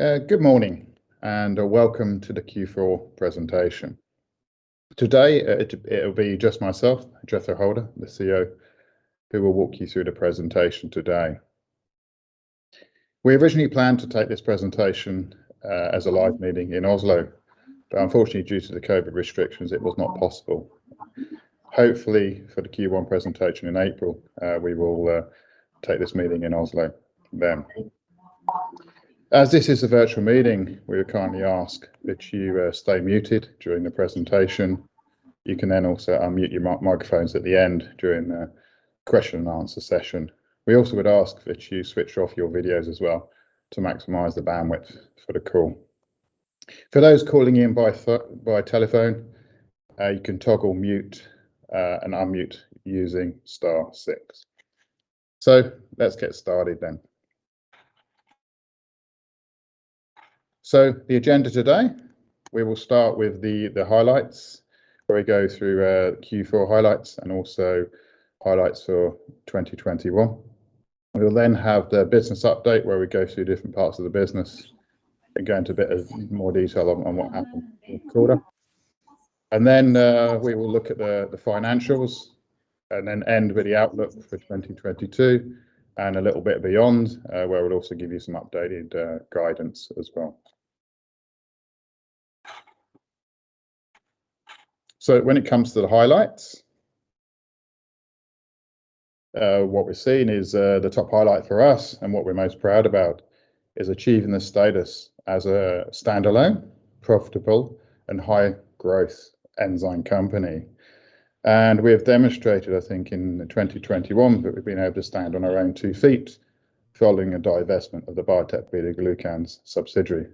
Good morning, and welcome to the Q4 presentation. Today, it'll be just myself, Jethro Holter, the CEO, who will walk you through the presentation today. We originally planned to take this presentation as a live meeting in Oslo, but unfortunately due to the COVID restrictions it was not possible. Hopefully, for the Q1 presentation in April, we will take this meeting in Oslo then. As this is a virtual meeting, we would kindly ask that you stay muted during the presentation. You can then also unmute your microphones at the end during the question-and-answer session. We also would ask that you switch off your videos as well to maximize the bandwidth for the call. For those calling in by telephone, you can toggle mute and unmute using star six. Let's get started then. The agenda today, we will start with the highlights, where we go through Q4 highlights and also highlights for 2021. We will have the business update, where we go through different parts of the business and go into a bit more detail on what happened in the quarter. We will look at the financials, and then end with the outlook for 2022, and a little bit beyond, where we'll also give you some updated guidance as well. When it comes to the highlights, what we're seeing is the top highlight for us, and what we're most proud about, is achieving the status as a standalone profitable and high-growth enzyme company. We have demonstrated, I think in 2021, that we've been able to stand on our own two feet following a divestment of the Biotec BetaGlucans subsidiary.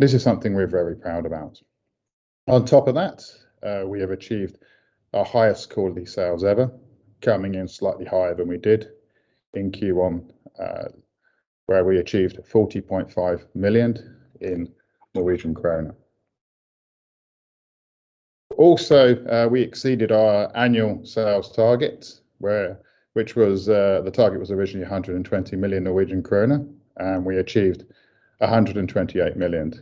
This is something we're very proud about. On top of that, we have achieved our highest quarterly sales ever, coming in slightly higher than we did in Q1, where we achieved 40.5 million. Also, we exceeded our annual sales target, which was originally 120 million Norwegian kroner, and we achieved 128 million.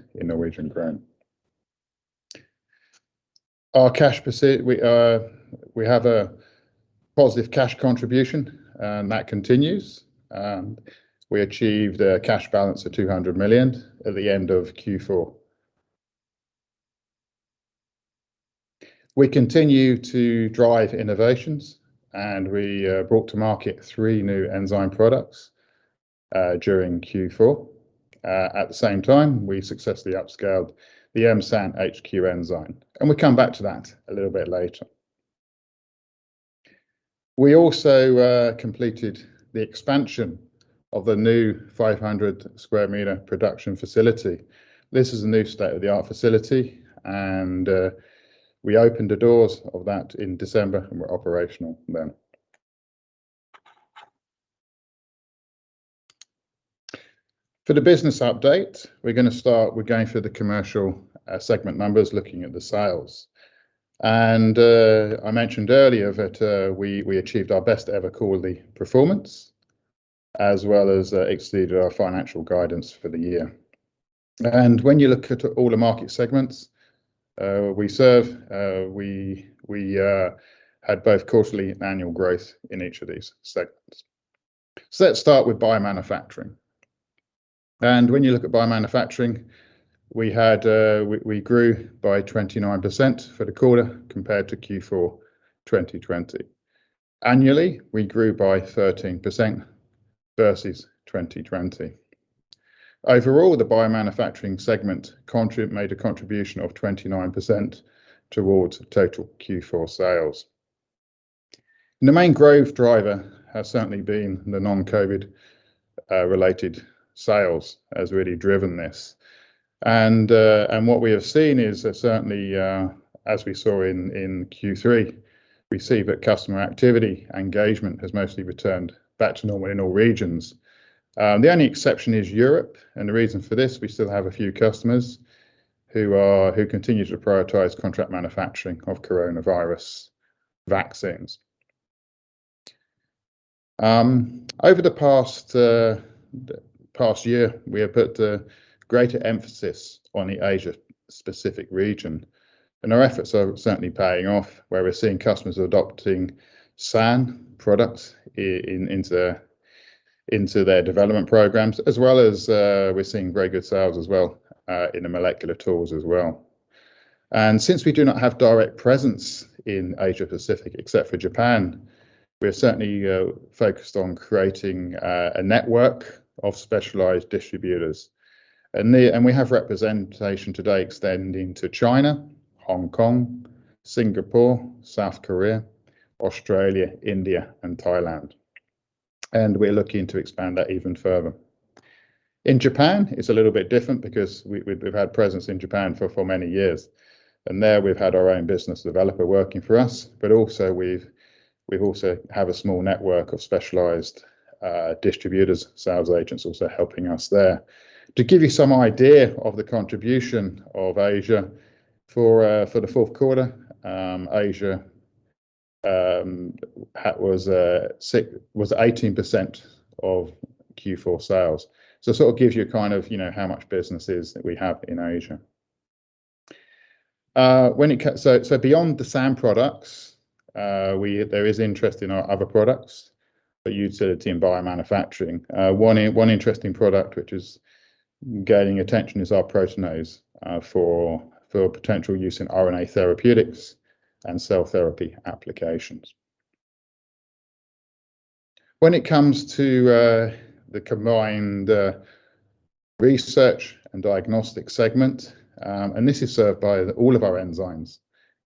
We have a positive cash contribution, and that continues. We achieved a cash balance of 200 million at the end of Q4. We continue to drive innovations, and we brought to market three new enzyme products during Q4. At the same time, we successfully upscaled the M-SAN HQ enzyme, and we'll come back to that a little bit later. We also completed the expansion of the new 500 sq m production facility. This is a new state-of-the-art facility, and we opened the doors of that in December and we're operational then. For the business update, we're gonna start with going through the commercial segment numbers, looking at the sales. I mentioned earlier that we achieved our best ever quarterly performance, as well as exceeded our financial guidance for the year. When you look at all the market segments we serve, we had both quarterly and annual growth in each of these segments. Let's start with biomanufacturing. When you look at biomanufacturing, we grew by 29% for the quarter compared to Q4 2020. Annually, we grew by 13% versus 2020. Overall, the biomanufacturing segment made a contribution of 29% towards total Q4 sales. The main growth driver has certainly been the non-COVID related sales, has really driven this. What we have seen is that certainly, as we saw in Q3, we see that customer activity engagement has mostly returned back to normal in all regions. The only exception is Europe, and the reason for this, we still have a few customers who continue to prioritize contract manufacturing of coronavirus vaccines. Over the past year, we have put a greater emphasis on the Asia-Pacific region, and our efforts are certainly paying off, where we're seeing customers adopting SAN products into their development programs, as well as we're seeing very good sales as well in the molecular tools as well. Since we do not have direct presence in Asia-Pacific, except for Japan, we're certainly focused on creating a network of specialized distributors. We have representation today extending to China, Hong Kong, Singapore, South Korea, Australia, India, and Thailand. We're looking to expand that even further. In Japan, it's a little bit different because we've had presence in Japan for many years. There, we've had our own business developer working for us. We also have a small network of specialized distributors, sales agents also helping us there. To give you some idea of the contribution of Asia for the fourth quarter, Asia, that was 18% of Q4 sales. So sort of gives you a kind of, you know, how much business is that we have in Asia. So beyond the SAN products, there is interest in our other products for utility and biomanufacturing. One interesting product which is gaining attention is our proteinase are for potential use in RNA therapeutics and cell therapy applications. When it comes to the combined research and diagnostic segment, and this is served by all of our enzymes,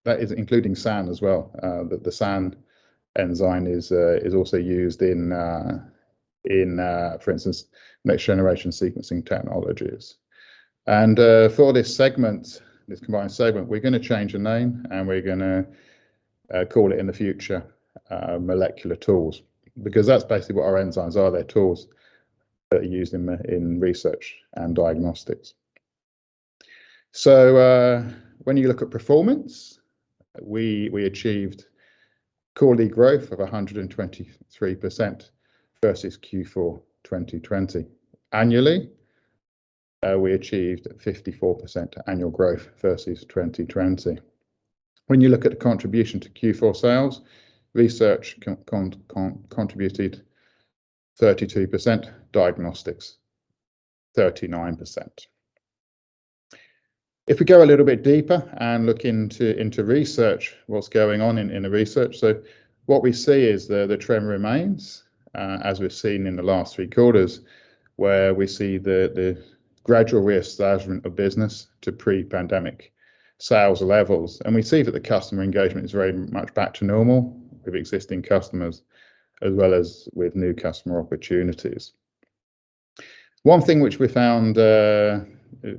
that is including SAN as well, the SAN enzyme is also used in next generation sequencing technologies. For this segment, this combined segment, we're gonna change the name, and we're gonna call it in the future molecular tools, because that's basically what our enzymes are. They're tools that are used in research and diagnostics. When you look at performance, we achieved quarterly growth of 123% versus Q4 2020. Annually, we achieved 54% annual growth versus 2020. When you look at the contribution to Q4 sales, research contributed 32%, diagnostics 39%. If we go a little bit deeper and look into research, what's going on in the research, so what we see is the trend remains as we've seen in the last three quarters, where we see the gradual reestablishment of business to pre-pandemic sales levels. We see that the customer engagement is very much back to normal with existing customers as well as with new customer opportunities.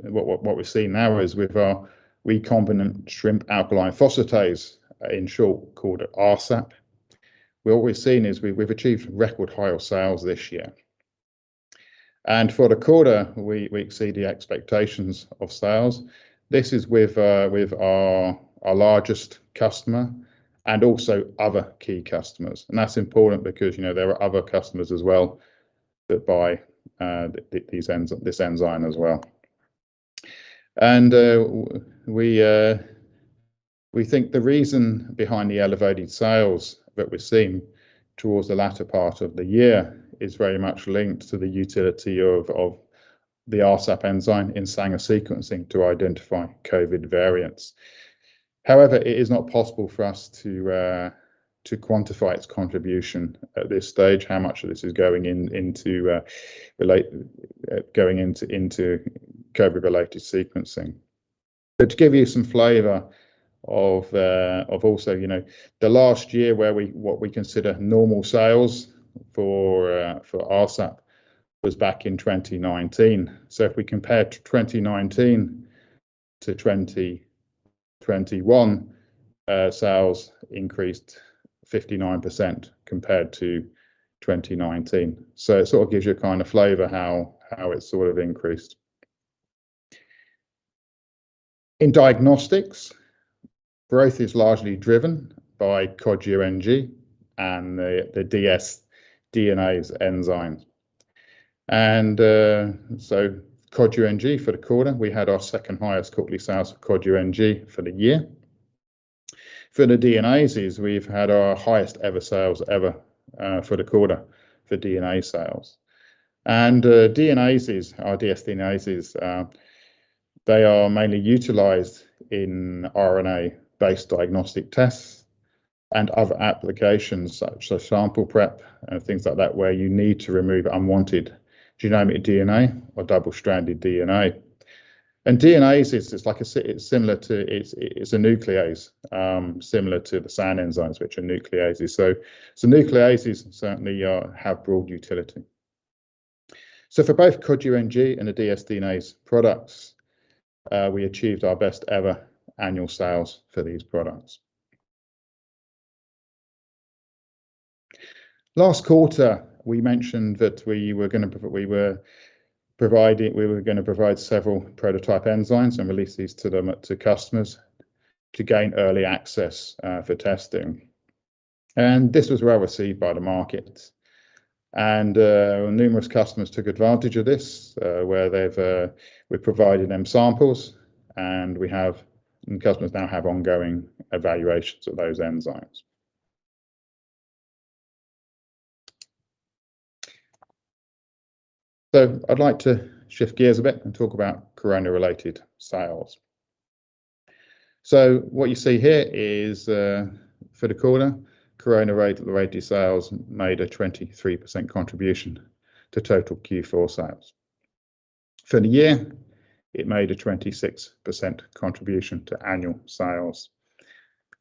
What we're seeing now is with our recombinant Shrimp Alkaline Phosphatase, in short called rSAP, we've achieved record high of sales this year. For the quarter, we exceed the expectations of sales. This is with our largest customer and also other key customers. That's important because, you know, there are other customers as well that buy this enzyme as well. We think the reason behind the elevated sales that we're seeing towards the latter part of the year is very much linked to the utility of the rSAP enzyme in Sanger sequencing to identify COVID variants. However, it is not possible for us to quantify its contribution at this stage, how much of this is going into COVID-related sequencing. To give you some flavor of, of also you know, the last year where we, what we consider normal sales for rSAP back in 2019. If we compare 2019 to 2021, sales increased 59% compared to 2019. It sort of gives you a kind of flavor how it sort of increased. In diagnostics, growth is largely driven by Cod UNG and the dsDNase enzymes. Cod UNG for the quarter, we had our second-highest quarterly sales of Cod UNG for the year. For the DNases, we've had our highest ever sales for the quarter for DNase sales. DNases, our dsDNase, they are mainly utilized in RNA-based diagnostic tests and other applications such as sample prep and things like that, where you need to remove unwanted genomic DNA or double-stranded DNA. DNases is like a nuclease, similar to the SAN enzymes, which are nucleases. Nucleases certainly have broad utility. For both Cod UNG and the dsDNase products, we achieved our best ever annual sales for these products. Last quarter, we mentioned that we were gonna provide several prototype enzymes and release these to customers to gain early access for testing. This was well received by the market. Numerous customers took advantage of this, where we've provided them samples, and customers now have ongoing evaluations of those enzymes. I'd like to shift gears a bit and talk about corona-related sales. What you see here is, for the quarter, corona-related sales made a 23% contribution to total Q4 sales. For the year, it made a 26% contribution to annual sales.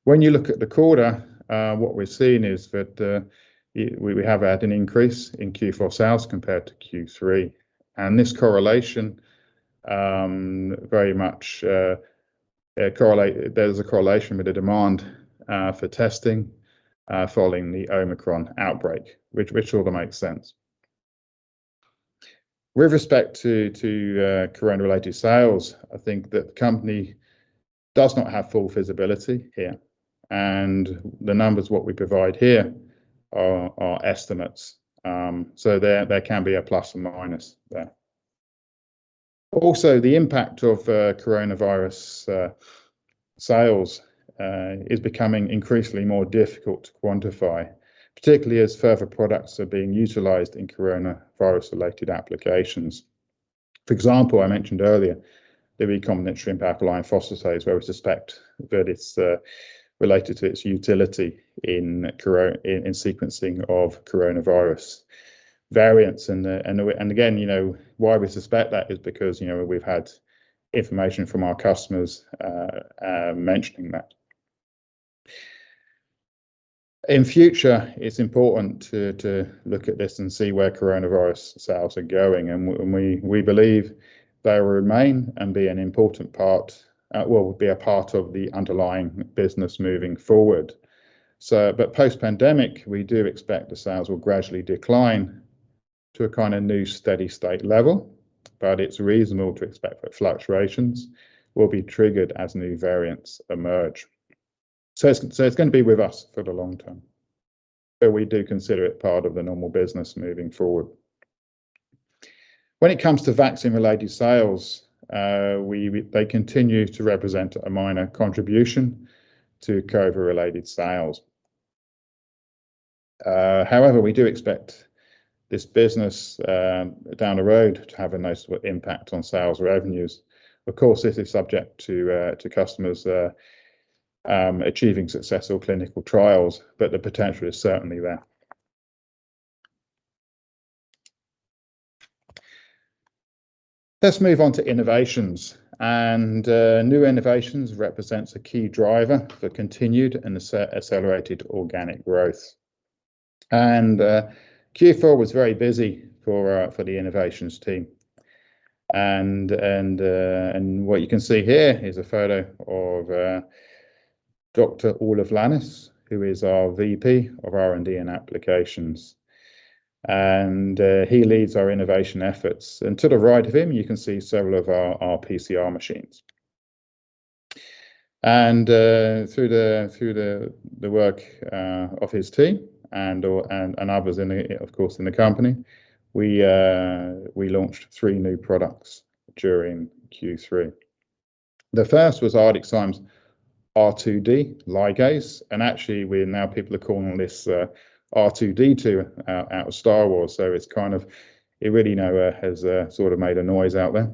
When you look at the quarter, what we're seeing is that we have had an increase in Q4 sales compared to Q3, and this correlation very much correlates with the demand for testing following the Omicron outbreak, which sort of makes sense. With respect to coronavirus-related sales, I think that the company does not have full visibility here and the numbers what we provide here are estimates, so there can be a plus and minus there. Also the impact of coronavirus sales is becoming increasingly more difficult to quantify, particularly as further products are being utilized in coronavirus-related applications. For example, I mentioned earlier the recombinant Shrimp Alkaline Phosphatase where we suspect that it's related to its utility in sequencing of coronavirus variants, and again, you know, why we suspect that is because, you know, we've had information from our customers mentioning that. In future it's important to look at this and see where coronavirus sales are going, and we believe they will remain and be an important part of the underlying business moving forward. Post-pandemic, we do expect the sales will gradually decline to a kind of new steady-state level, but it's reasonable to expect that fluctuations will be triggered as new variants emerge. It's gonna be with us for the long term, but we do consider it part of the normal business moving forward. When it comes to vaccine-related sales, they continue to represent a minor contribution to COVID-related sales. However, we do expect this business down the road to have a noticeable impact on sales revenues. Of course, this is subject to customers achieving successful clinical trials, but the potential is certainly there. Let's move on to innovations and new innovations represents a key driver for continued and accelerated organic growth. Q4 was very busy for the innovations team and what you can see here is a photo of Dr. Olav Lanes, who is our VP R&D and Applications, and he leads our innovation efforts. To the right of him, you can see several of our PCR machines. Through the work of his team and others in the company, of course, we launched three new products during Q3. The first was ArcticZymes R2D Ligase, and actually, now people are calling this R2D2 out of Star Wars, so it's kind of really now has sort of made a noise out there.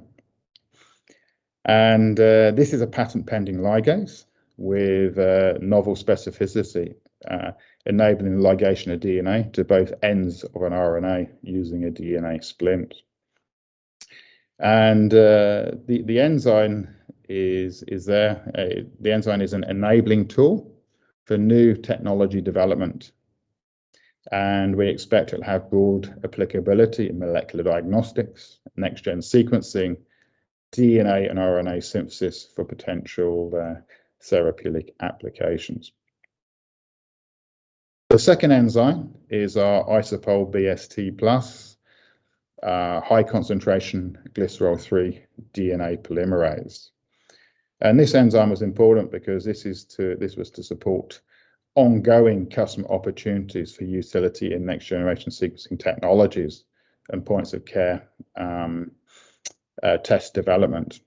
This is a patent-pending ligase with novel specificity enabling ligation of DNA to both ends of an RNA using a DNA splint. The enzyme is there. The enzyme is an enabling tool for new technology development, and we expect it'll have broad applicability in molecular diagnostics, next gen sequencing, DNA and RNA synthesis for potential therapeutic applications. The second enzyme is our IsoPol BST+, high concentration glycerol-free DNA polymerase. This enzyme was important because this was to support ongoing customer opportunities for utility in next generation sequencing technologies and point-of-care test development.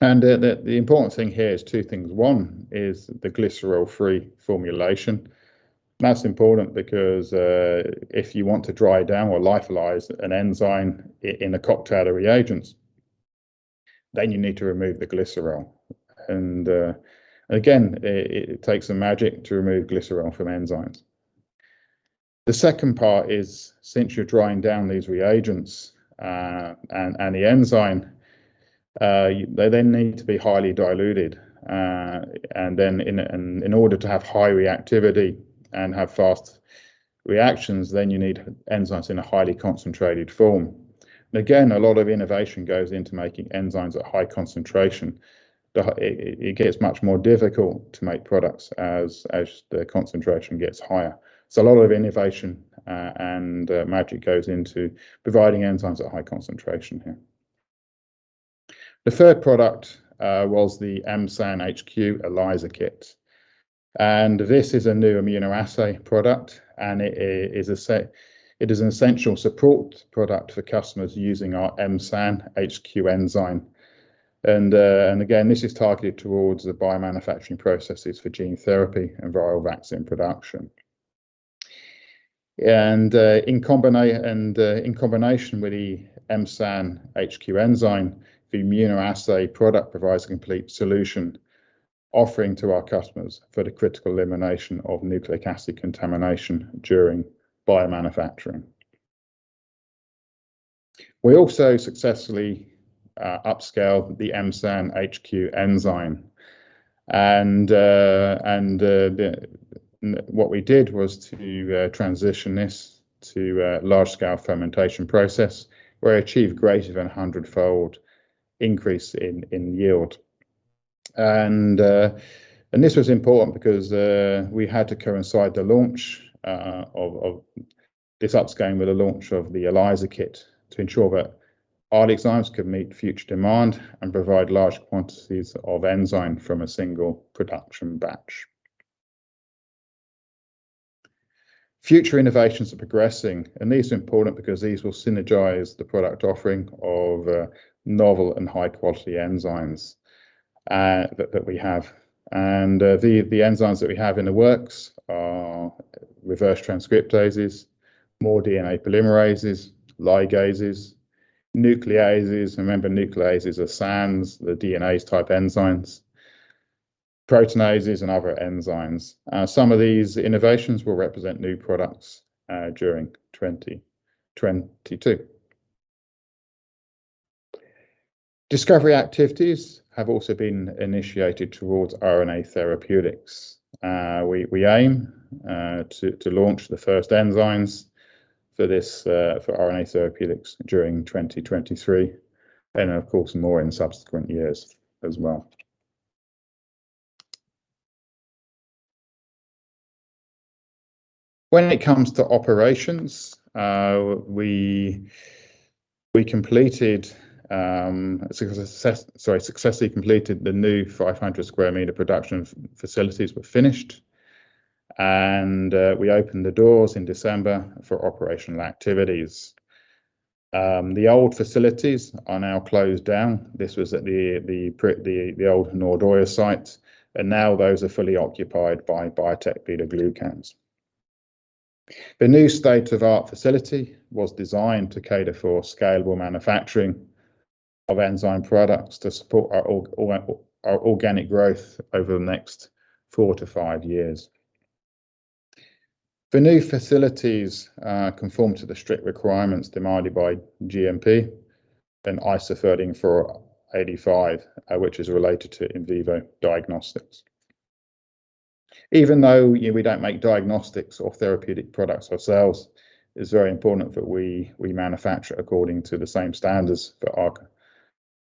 The important thing here is two things. One is the glycerol-free formulation. That's important because if you want to dry down or lyophilize an enzyme in a cocktail of reagents, then you need to remove the glycerol. Again, it takes some magic to remove glycerol from enzymes. The second part is since you're drying down these reagents, and the enzyme, they then need to be highly diluted, and then in order to have high reactivity and have fast reactions, then you need enzymes in a highly concentrated form. A lot of innovation goes into making enzymes at high concentration. It gets much more difficult to make products as the concentration gets higher. A lot of innovation and magic goes into providing enzymes at high concentration here. The third product was the M-SAN HQ ELISA kit, and this is a new immunoassay product, and it is an essential support product for customers using our M-SAN HQ enzyme. Again, this is targeted towards the biomanufacturing processes for gene therapy and viral vaccine production. In combination with the M-SAN HQ enzyme, the immunoassay product provides a complete solution offering to our customers for the critical elimination of nucleic acid contamination during biomanufacturing. We also successfully upscaled the M-SAN HQ enzyme and what we did was to transition this to a large scale fermentation process where it achieved greater than a 100-fold increase in yield. This was important because we had to coincide the launch of this upscaling with the launch of the ELISA kit to ensure that ArcticZymes could meet future demand and provide large quantities of enzyme from a single production batch. Future innovations are progressing, and these are important because these will synergize the product offering of novel and high-quality enzymes that we have. The enzymes that we have in the works are reverse transcriptases, more DNA polymerases, ligases, nucleases. Remember, nucleases are SANs, the DNase-type enzymes. Proteinases and other enzymes. Some of these innovations will represent new products during 2022. Discovery activities have also been initiated towards RNA therapeutics. We aim to launch the first enzymes for RNA therapeutics during 2023, and of course, more in subsequent years as well. When it comes to operations, we successfully completed the new 500 sq m production facilities were finished, and we opened the doors in December for operational activities. The old facilities are now closed down. This was at the old Nordøya site, and now those are fully occupied by Biotec BetaGlucans. The new state-of-the-art facility was designed to cater for scalable manufacturing of enzyme products to support our organic growth over the next four to five years. The new facilities conform to the strict requirements demanded by GMP and ISO 13485, which is related to in vitro diagnostics. Even though, you know, we don't make diagnostics or therapeutic products ourselves, it's very important that we manufacture according to the same standards that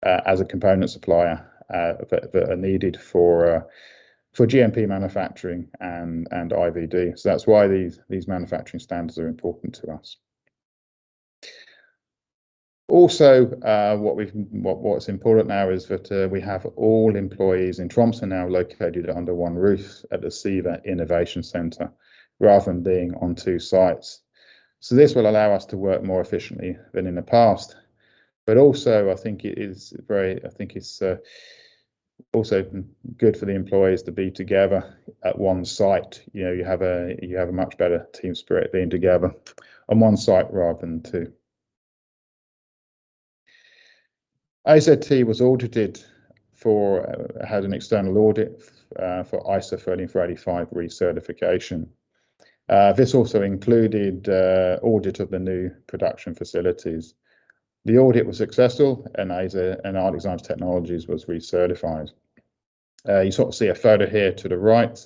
are, as a component supplier, that are needed for GMP manufacturing and IVD. That's why these manufacturing standards are important to us. Also, what's important now is that we have all employees in Tromsø now located under one roof at the SIVA Innovation Center, rather than being on two sites. This will allow us to work more efficiently than in the past. I think it's also good for the employees to be together at one site. You have a much better team spirit being together on one site rather than two. ArcticZymes had an external audit for ISO 13485 recertification. This also included audit of the new production facilities. The audit was successful, and ArcticZymes Technologies was recertified. You sort of see a photo here to the right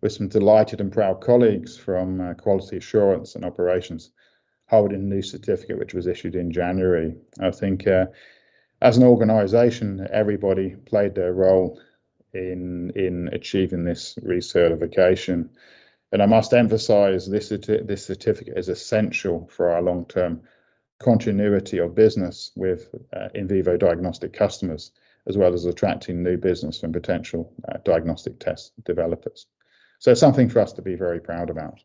with some delighted and proud colleagues from quality assurance and operations holding the new certificate, which was issued in January. I think as an organization, everybody played their role in achieving this recertification. I must emphasize, this certificate is essential for our long-term continuity of business with in vitro diagnostic customers, as well as attracting new business from potential diagnostic test developers. Something for us to be very proud about.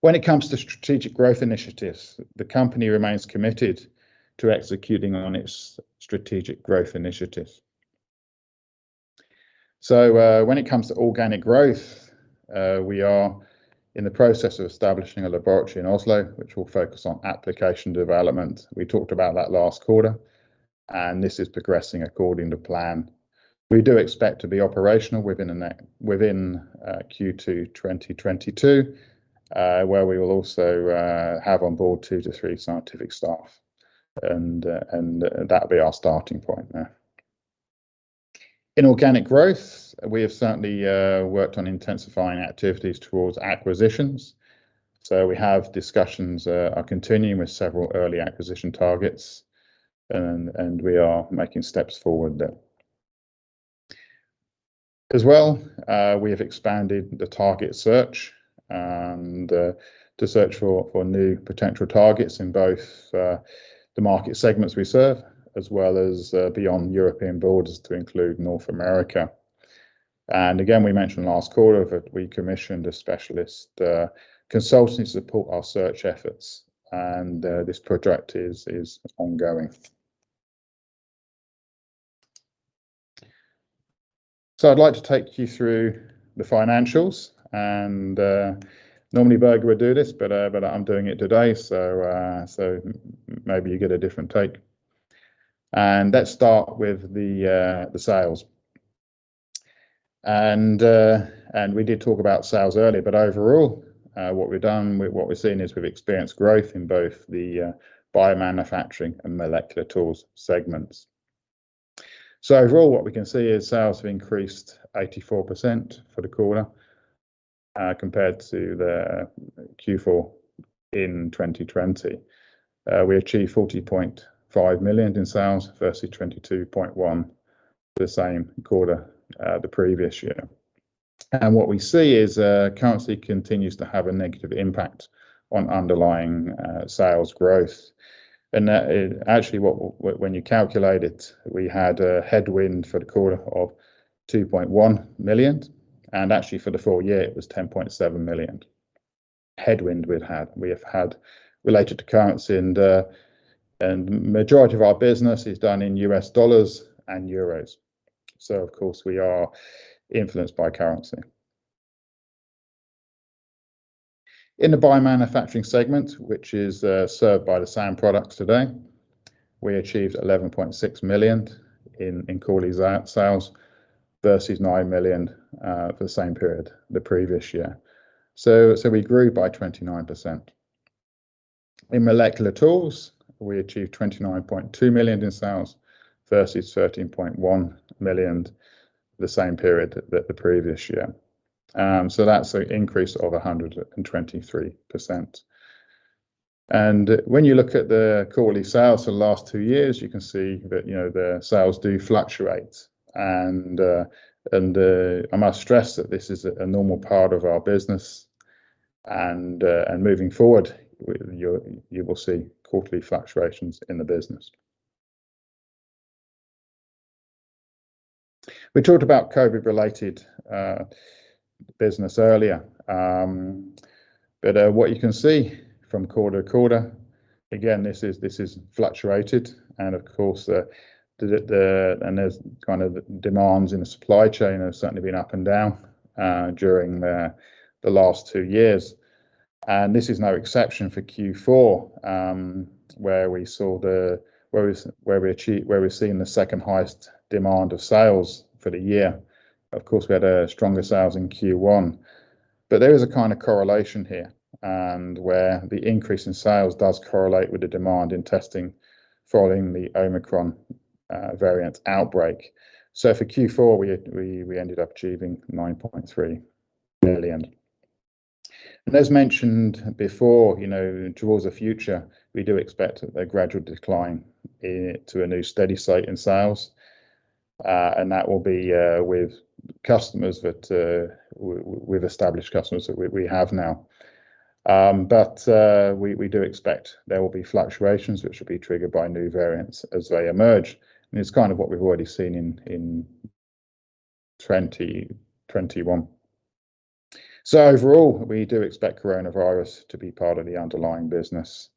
When it comes to strategic growth initiatives, the company remains committed to executing on its strategic growth initiatives. When it comes to organic growth, we are in the process of establishing a laboratory in Oslo, which will focus on application development. We talked about that last quarter, and this is progressing according to plan. We do expect to be operational within Q2 2022, where we will also have on board two to three scientific staff, and that'll be our starting point there. In organic growth, we have certainly worked on intensifying activities towards acquisitions. We have discussions are continuing with several early acquisition targets and we are making steps forward there. As well, we have expanded the target search and to search for new potential targets in both the market segments we serve, as well as beyond European borders to include North America. Again, we mentioned last quarter that we commissioned a specialist consultant to support our search efforts, and this project is ongoing. I'd like to take you through the financials and normally Børge would do this, but I'm doing it today, so maybe you get a different take. Let's start with the sales. We did talk about sales earlier, but overall, what we've done, what we've seen is we've experienced growth in both the biomanufacturing and molecular tools segments. Overall what we can see is sales have increased 84% for the quarter compared to the Q4 2020. We achieved 40.5 million in sales versus 22.1 million in the same quarter the previous year. What we see is currency continues to have a negative impact on underlying sales growth. Actually, when you calculate it, we had a headwind for the quarter of 2.1 million, and actually for the full year it was 10.7 million. Headwind we have had related to currency, and majority of our business is done in U.S. dollars and euros. Of course, we are influenced by currency. In the biomanufacturing segment, which is served by the SAN products today, we achieved 11.6 million in quarterly sales, versus 9 million for the same period the previous year. We grew by 29%. In molecular tools, we achieved 29.2 million in sales versus 13.1 million the same period the previous year. That's an increase of 123%. When you look at the quarterly sales for the last two years, you can see that the sales do fluctuate, and I must stress that this is a normal part of our business and moving forward, you will see quarterly fluctuations in the business. We talked about COVID-related business earlier. What you can see from quarter-to-quarter, again, this has fluctuated and of course, the demand in the supply chain has certainly been up and down during the last two years. This is no exception for Q4, where we're seeing the second-highest sales for the year. Of course, we had stronger sales in Q1. There is a kind of correlation here where the increase in sales does correlate with the demand in testing following the Omicron variant outbreak. For Q4, we ended up achieving 9.3 million. As mentioned before, you know, towards the future, we do expect a gradual decline to a new steady state in sales. That will be with established customers that we have now. We do expect there will be fluctuations which will be triggered by new variants as they emerge. It's kind of what we've already seen in 2021. Overall, we do expect coronavirus to be part of the underlying business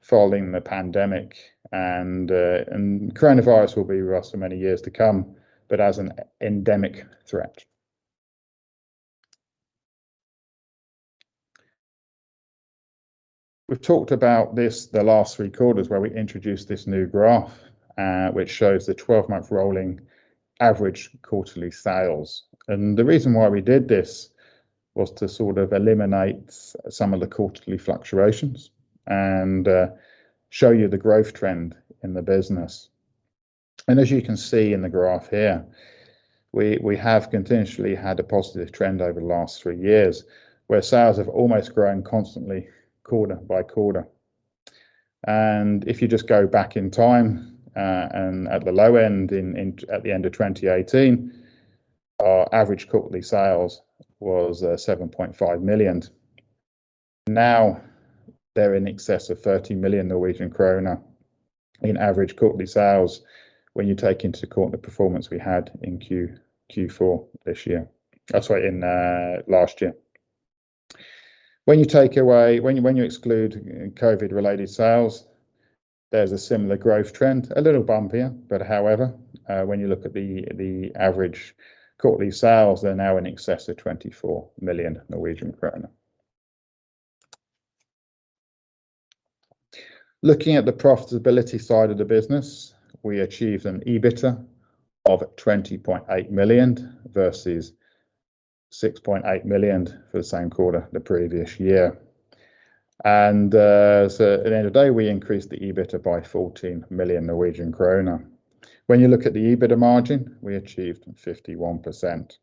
following the pandemic and coronavirus will be with us for many years to come, but as an endemic threat. We've talked about this the last three quarters where we introduced this new graph, which shows the 12-month rolling average quarterly sales. The reason why we did this was to sort of eliminate some of the quarterly fluctuations and show you the growth trend in the business. As you can see in the graph here, we have continuously had a positive trend over the last three years, where sales have almost grown constantly quarter by quarter. If you just go back in time, at the low end at the end of 2018, our average quarterly sales was 7.5 million. Now, they're in excess of 30 million Norwegian krone in average quarterly sales when you take into account the performance we had in Q4 this year. Oh, sorry, in last year. When you exclude COVID-related sales, there's a similar growth trend, a little bumpier. However, when you look at the average quarterly sales, they're now in excess of 24 million Norwegian kroner. Looking at the profitability side of the business, we achieved an EBITDA of 20.8 million versus 6.8 million for the same quarter the previous year. At the end of the day, we increased the EBITDA by 14 million Norwegian kroner. When you look at the EBITDA margin, we achieved 51%.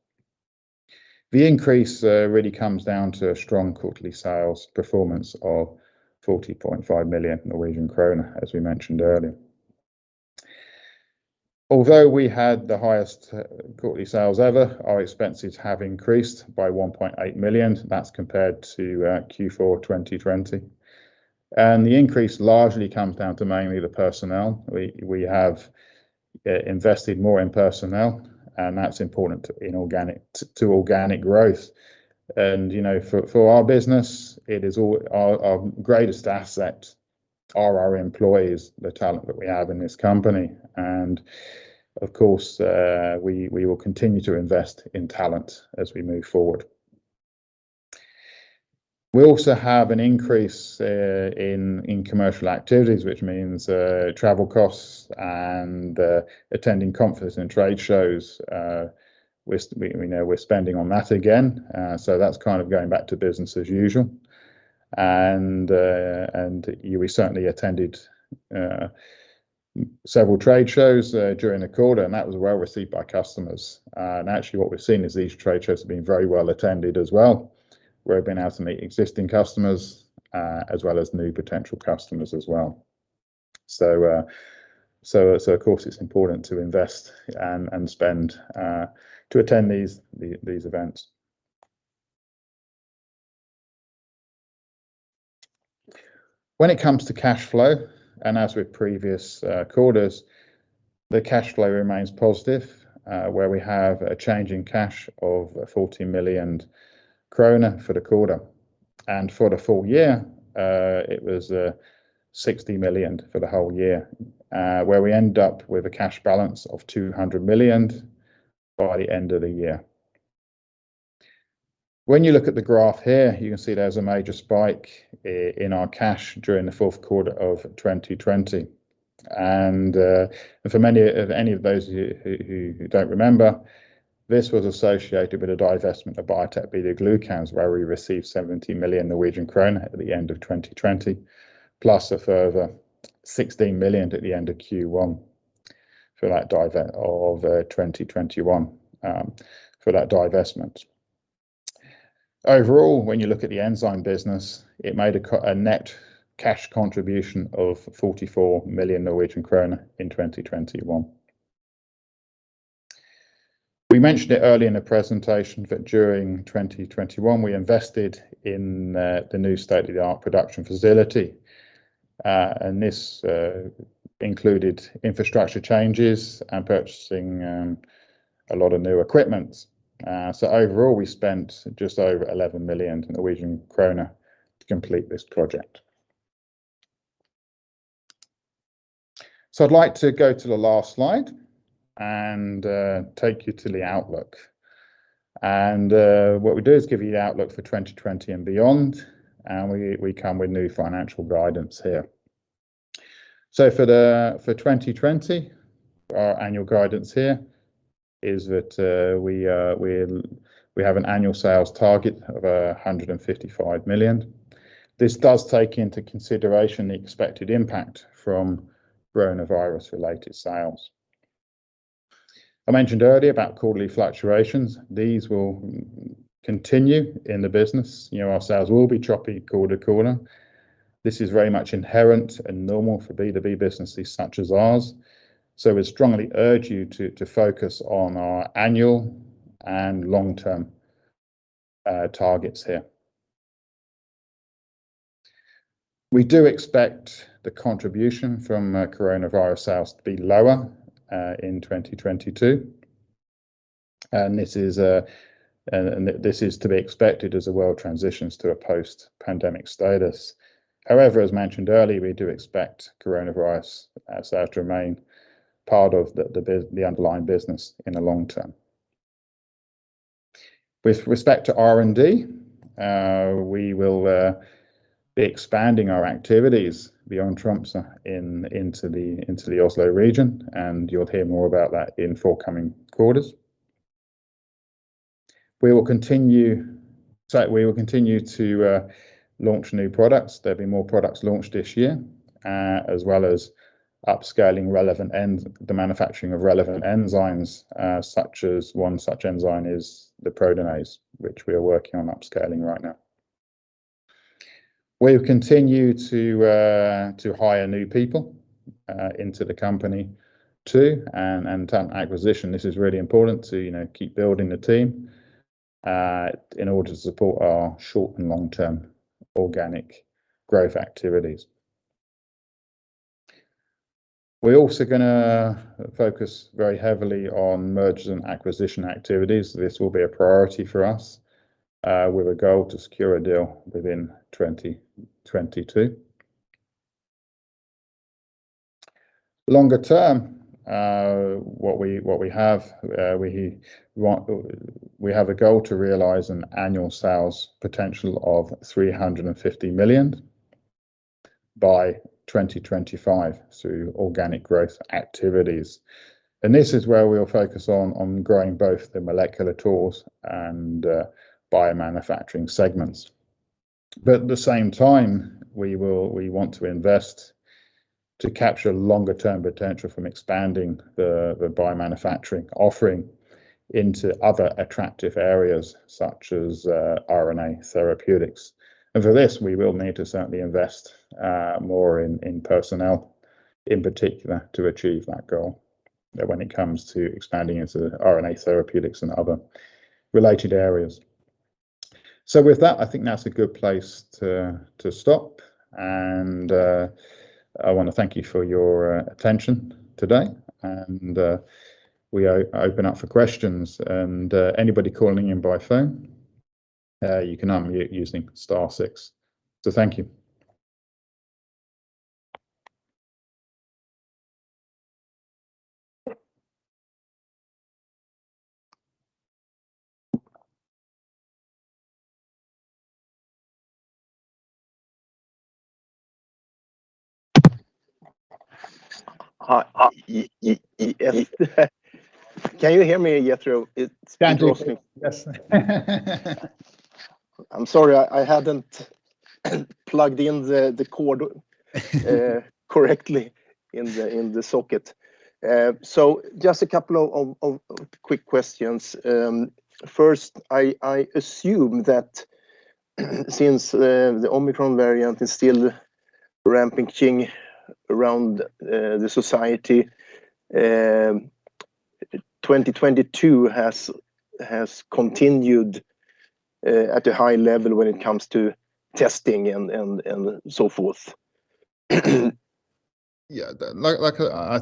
The increase really comes down to a strong quarterly sales performance of 40.5 million Norwegian kroner, as we mentioned earlier. Although we had the highest quarterly sales ever, our expenses have increased by 1.8 million. That's compared to Q4 2020. The increase largely comes down to mainly the personnel. We have invested more in personnel, and that's important to organic growth. You know, for our business, it is our greatest asset are our employees, the talent that we have in this company. Of course, we will continue to invest in talent as we move forward. We also have an increase in commercial activities, which means travel costs and attending conferences and trade shows. We know we're spending on that again. That's kind of going back to business as usual. We certainly attended several trade shows during the quarter, and that was well received by customers. Actually, what we're seeing is these trade shows have been very well attended as well. We've been out to meet existing customers as well as new potential customers as well. Of course, it's important to invest and spend to attend these events. When it comes to cash flow, as with previous quarters, the cash flow remains positive, where we have a change in cash of 40 million krone for the quarter. For the full year, it was 60 million for the whole year, where we end up with a cash balance of 200 million by the end of the year. When you look at the graph here, you can see there's a major spike in our cash during the fourth quarter of 2020. For any of those of you who don't remember, this was associated with a divestment of Biotec BetaGlucans, where we received 70 million Norwegian krone at the end of 2020, plus a further 16 million at the end of Q1 of 2021 for that divestment. Overall, when you look at the enzyme business, it made a net cash contribution of 44 million Norwegian krone in 2021. We mentioned it earlier in the presentation that during 2021, we invested in the new state-of-the-art production facility. This included infrastructure changes and purchasing a lot of new equipment. Overall, we spent just over 11 million Norwegian kroner to complete this project. I'd like to go to the last slide and take you to the outlook. What we do is give you the outlook for 2020 and beyond, and we come with new financial guidance here. For 2020, our annual guidance here is that we have an annual sales target of 155 million. This does take into consideration the expected impact from coronavirus-related sales. I mentioned earlier about quarterly fluctuations. These will continue in the business. You know, our sales will be choppy quarter-to-quarter. This is very much inherent and normal for B2B businesses such as ours, so we strongly urge you to focus on our annual and long-term targets here. We do expect the contribution from coronavirus sales to be lower in 2022, and this is to be expected as the world transitions to a post-pandemic status. However, as mentioned earlier, we do expect coronavirus sales to remain part of the underlying business in the long term. With respect to R&D, we will be expanding our activities beyond Tromsø into the Oslo region, and you'll hear more about that in forthcoming quarters. We will continue to launch new products. There'll be more products launched this year, as well as, upscaling the manufacturing of relevant enzymes, such as one such enzyme is the proteinase, which we are working on upscaling right now. We'll continue to hire new people into the company too and talent acquisition. This is really important to, you know, keep building the team in order to support our short and long-term organic growth activities. We're also gonna focus very heavily on mergers and acquisition activities. This will be a priority for us with a goal to secure a deal within 2022. Longer term, we have a goal to realize an annual sales potential of 350 million by 2025 through organic growth activities. This is where we'll focus on growing both the molecular tools and biomanufacturing segments. At the same time, we want to invest to capture longer-term potential from expanding the biomanufacturing offering into other attractive areas such as RNA therapeutics. For this, we will need to certainly invest more in personnel, in particular to achieve that goal when it comes to expanding into RNA therapeutics and other related areas. With that, I think that's a good place to stop. I want to thank you for your attention today. We open up for questions. Anybody calling in by phone, you can unmute using star six. Thank you. Hi. Can you hear me, Jethro? It's Peter. Yes. I'm sorry, I hadn't plugged in the cord correctly in the socket. Just a couple of quick questions. First, I assume that since the Omicron variant is still rampaging around the society, 2022 has continued at a high level when it comes to testing and so forth. I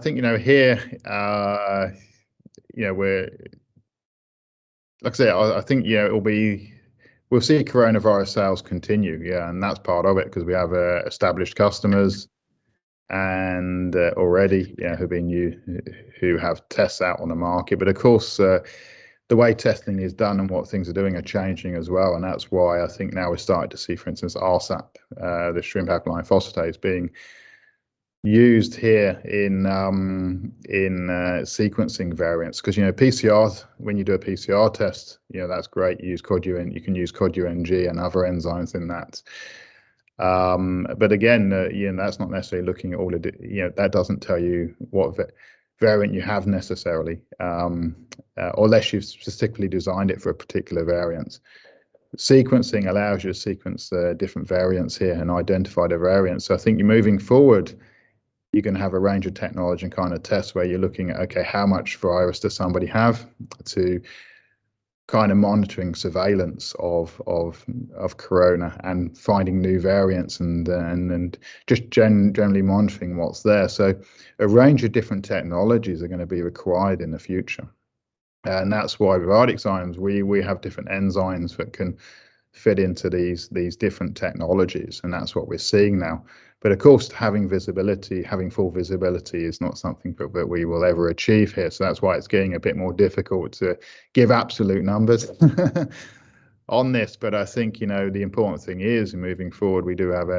think, you know, here, you know, we'll see coronavirus sales continue. That's part of it 'cause we have established customers and already, you know, who have tests out on the market. Of course, the way testing is done and what things are doing are changing as well, and that's why I think now we're starting to see, for instance, rSAP, the shrimp alkaline phosphatase being used here in sequencing variants. 'Cause, you know, PCR, when you do a PCR test, you know, that's great. You use Cod UNG and you can use Cod UNG and other enzymes in that. Again, you know, that's not necessarily looking at all the. You know, that doesn't tell you what variant you have necessarily, unless you've specifically designed it for a particular variant. Sequencing allows you to sequence the different variants here and identify the variants. I think you're moving forward, you're gonna have a range of technology and kind of tests where you're looking at, okay, how much virus does somebody have to kind of monitoring surveillance of corona and finding new variants and just generally monitoring what's there. A range of different technologies are gonna be required in the future. And that's why with ArcticZymes, we have different enzymes that can fit into these different technologies, and that's what we're seeing now. Of course, having visibility, having full visibility is not something that we will ever achieve here. That's why it's getting a bit more difficult to give absolute numbers on this. I think, you know, the important thing is moving forward, we do have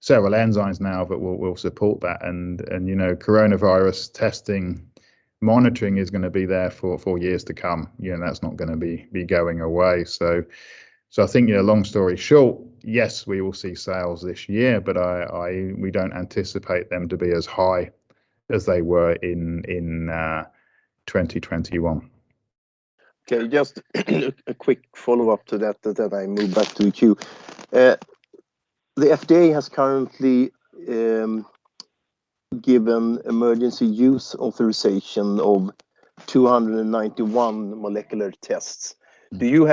several enzymes now that will support that and, you know, coronavirus testing monitoring is gonna be there for years to come. You know, that's not gonna be going away. I think, you know, long story short, yes, we will see sales this year, but we don't anticipate them to be as high as they were in 2021. Okay. Just a quick follow-up to that, then I move back to queue. The FDA has currently given emergency use authorization of 291 molecular tests. Mm. Do you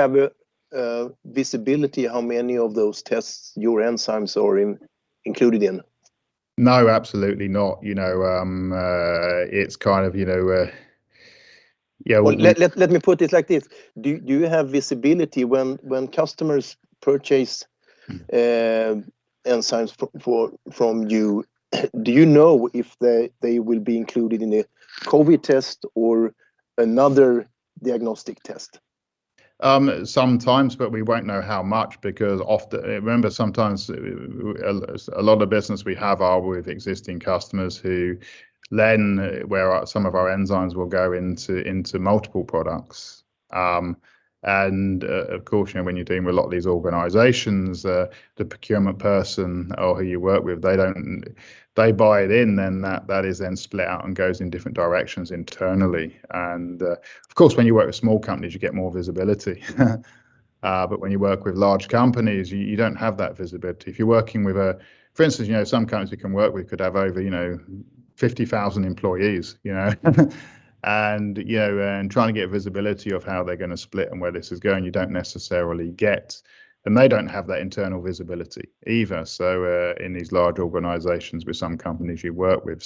have a visibility how many of those tests your enzymes are included in? No, absolutely not. You know, it's kind of, you know, yeah. Well, let me put it like this. Do you have visibility when customers purchase- Mm Enzymes from you, do you know if they will be included in a COVID test or another diagnostic test? Sometimes, we won't know how much because often, remember, sometimes a lot of business we have are with existing customers who then where some of our enzymes will go into multiple products. Of course, you know, when you're dealing with a lot of these organizations, the procurement person or who you work with, they don't. They buy it in, then that is then split out and goes in different directions internally. Of course, when you work with small companies, you get more visibility. When you work with large companies, you don't have that visibility. If you're working with a... For instance, you know, some companies we can work with could have over 50,000 employees, you know, and trying to get visibility of how they're gonna split and where this is going, you don't necessarily get. They don't have that internal visibility either. In these large organizations with some companies you work with.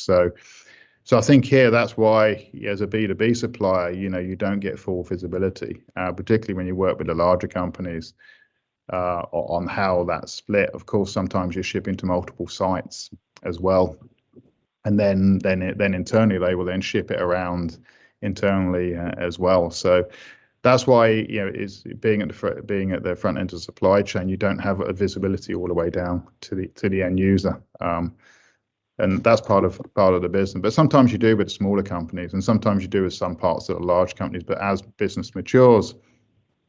I think here that's why as a B2B supplier, you know, you don't get full visibility, particularly when you work with the larger companies, on how that's split. Of course, sometimes you're shipping to multiple sites as well, and then internally they will ship it around internally, as well. That's why, you know, it's being at the front end of supply chain, you don't have a visibility all the way down to the end user. That's part of the business. Sometimes you do with smaller companies, and sometimes you do with some partners that are large companies. As business matures,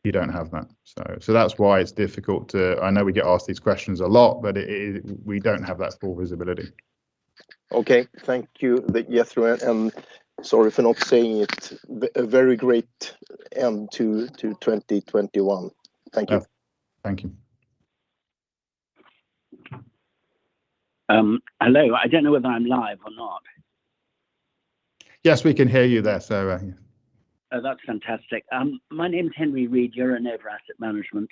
you don't have that. That's why it's difficult. I know we get asked these questions a lot, but we don't have that full visibility. Okay. Thank you. Yes, through. I'm sorry for not saying it. A very great end to 2021. Thank you. Yeah. Thank you. Hello. I don't know whether I'm live or not. Yes, we can hear you there, sir. Oh, that's fantastic. My name is Henry Reed, Euronav Asset Management.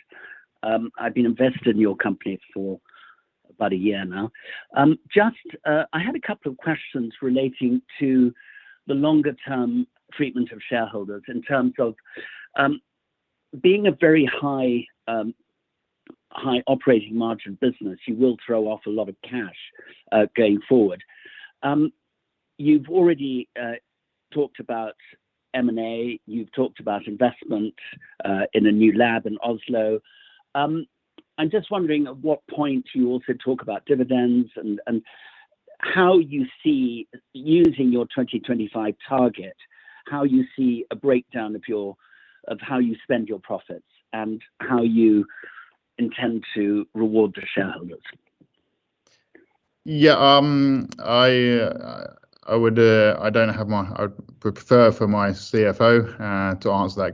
I've been invested in your company for about a year now. Just, I had a couple of questions relating to the longer term treatment of shareholders in terms of being a very high operating margin business, you will throw off a lot of cash going forward. You've already talked about M&A, you've talked about investment in a new lab in Oslo. I'm just wondering at what point you also talk about dividends and how you see using your 2025 target, how you see a breakdown of how you spend your profits and how you intend to reward your shareholders? Yeah. I would prefer for my CFO to answer that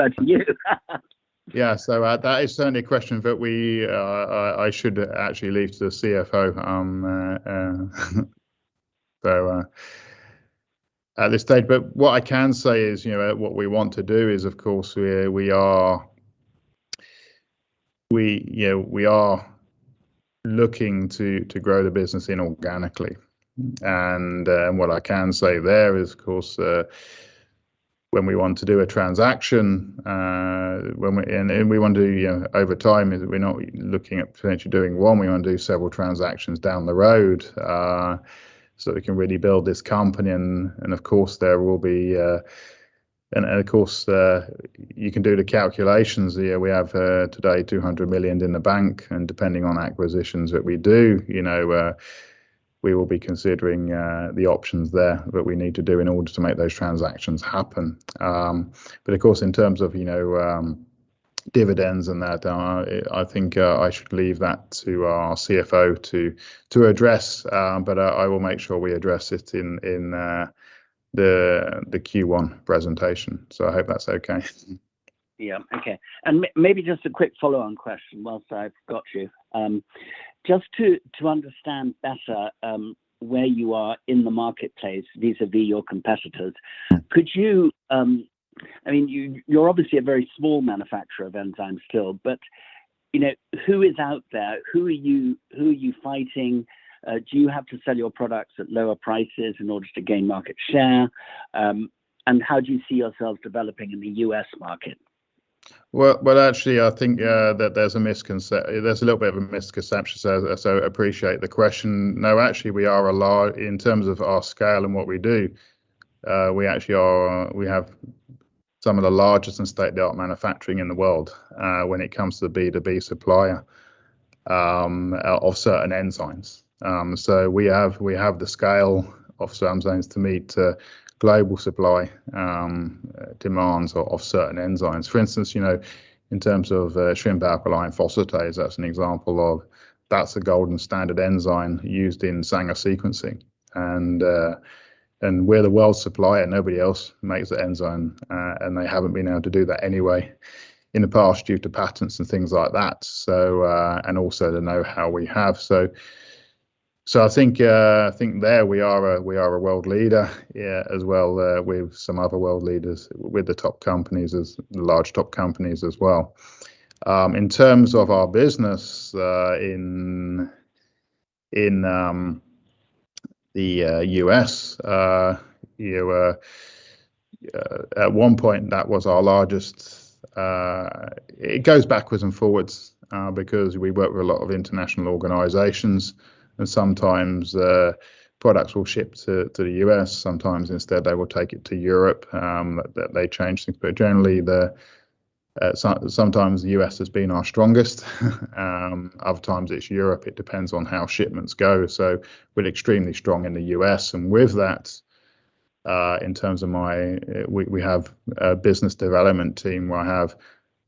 question. I don't have him here today. Sure. You. That is certainly a question that I should actually leave to the CFO at this stage. What I can say is, you know, what we want to do is, of course, we are looking to grow the business inorganically. What I can say there is, of course, when we want to do a transaction, we want to, you know, over time, we're not looking at potentially doing one, we wanna do several transactions down the road, so we can really build this company. Of course, you can do the calculations. You know, we have today 200 million in the bank, and depending on acquisitions that we do, you know, we will be considering the options there that we need to do in order to make those transactions happen. But of course, in terms of, you know, dividends and that, I think I should leave that to our CFO to address. But I will make sure we address it in the Q1 presentation. I hope that's okay. Yeah. Okay. Maybe just a quick follow-on question whilst I've got you. Just to understand better, where you are in the marketplace, vis-à-vis your competitors? Mm-hmm Could you, I mean, you're obviously a very small manufacturer of enzymes still, but, you know, who is out there? Who are you, who are you fighting? Do you have to sell your products at lower prices in order to gain market share? How do you see yourself developing in the U.S. market? Well, actually, I think that there's a little bit of a misconception, so I appreciate the question. No, actually, in terms of our scale and what we do, we have some of the largest and state-of-the-art manufacturing in the world, when it comes to the B2B supplier of certain enzymes. So we have the scale of certain enzymes to meet global supply demands of certain enzymes. For instance, you know, in terms of shrimp alkaline phosphatase, that's an example of a gold standard enzyme used in Sanger sequencing. We're the world supplier. Nobody else makes the enzyme. They haven't been able to do that anyway in the past due to patents and things like that. Also the know-how we have. I think we are a world leader as well with some other world leaders with the top companies as large top companies as well. In terms of our business in the U.S. at one point that was our largest. It goes backwards and forwards because we work with a lot of international organizations and sometimes the products will ship to the U.S. sometimes instead they will take it to Europe that they change things. But generally sometimes the U.S. has been our strongest. Other times it's Europe. It depends on how shipments go. We're extremely strong in the U.S. With that, in terms of we have a business development team where I have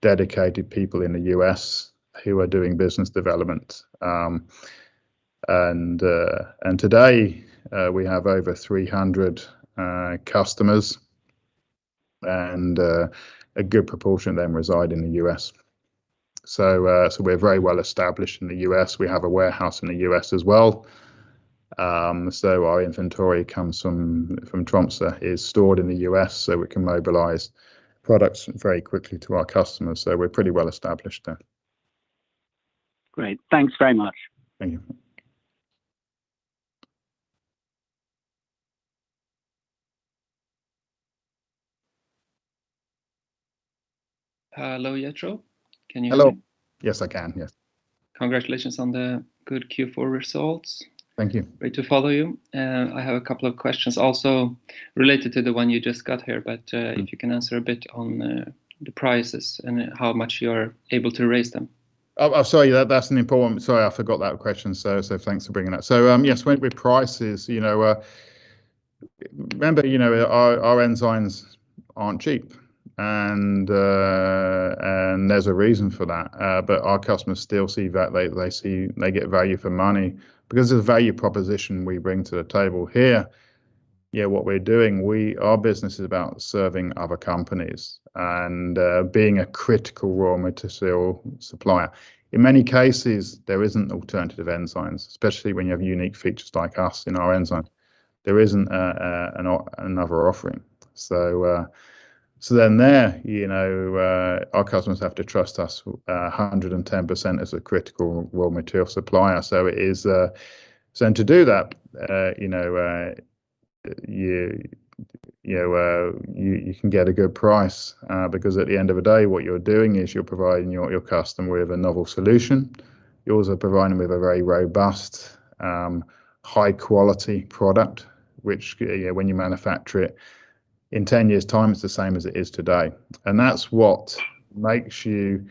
dedicated people in the U.S. who are doing business development. Today, we have over 300 customers, and a good proportion of them reside in the U.S. We're very well established in the U.S. We have a warehouse in the U.S. as well. Our inventory comes from Tromsø, is stored in the U.S., so we can mobilize products very quickly to our customers. We're pretty well established there. Great. Thanks very much. Thank you. Hello, Jethro. Can you hear me? Hello. Yes, I can. Yes. Congratulations on the good Q4 results. Thank you. Great to follow you. I have a couple of questions also related to the one you just got here, but, Mm-hmm... if you can answer a bit on the prices and how much you're able to raise them. Sorry, that's an important one. Sorry, I forgot that question. Thanks for bringing that up. Yes, when it comes to prices, you know, remember, you know, our enzymes aren't cheap, and there's a reason for that. Our customers still see that they get value for money because of the value proposition we bring to the table here. You know, what we're doing. Our business is about serving other companies and being a critical raw material supplier. In many cases, there aren't alternative enzymes, especially when you have unique features like ours in our enzymes. There isn't another offering. Our customers have to trust us 110% as a critical raw material supplier. It is. To do that, you know, you can get a good price because at the end of the day, what you're doing is you're providing your customer with a novel solution. You're also providing them with a very robust, high quality product, which, you know, when you manufacture it in 10 years' time, it's the same as it is today. That's what makes you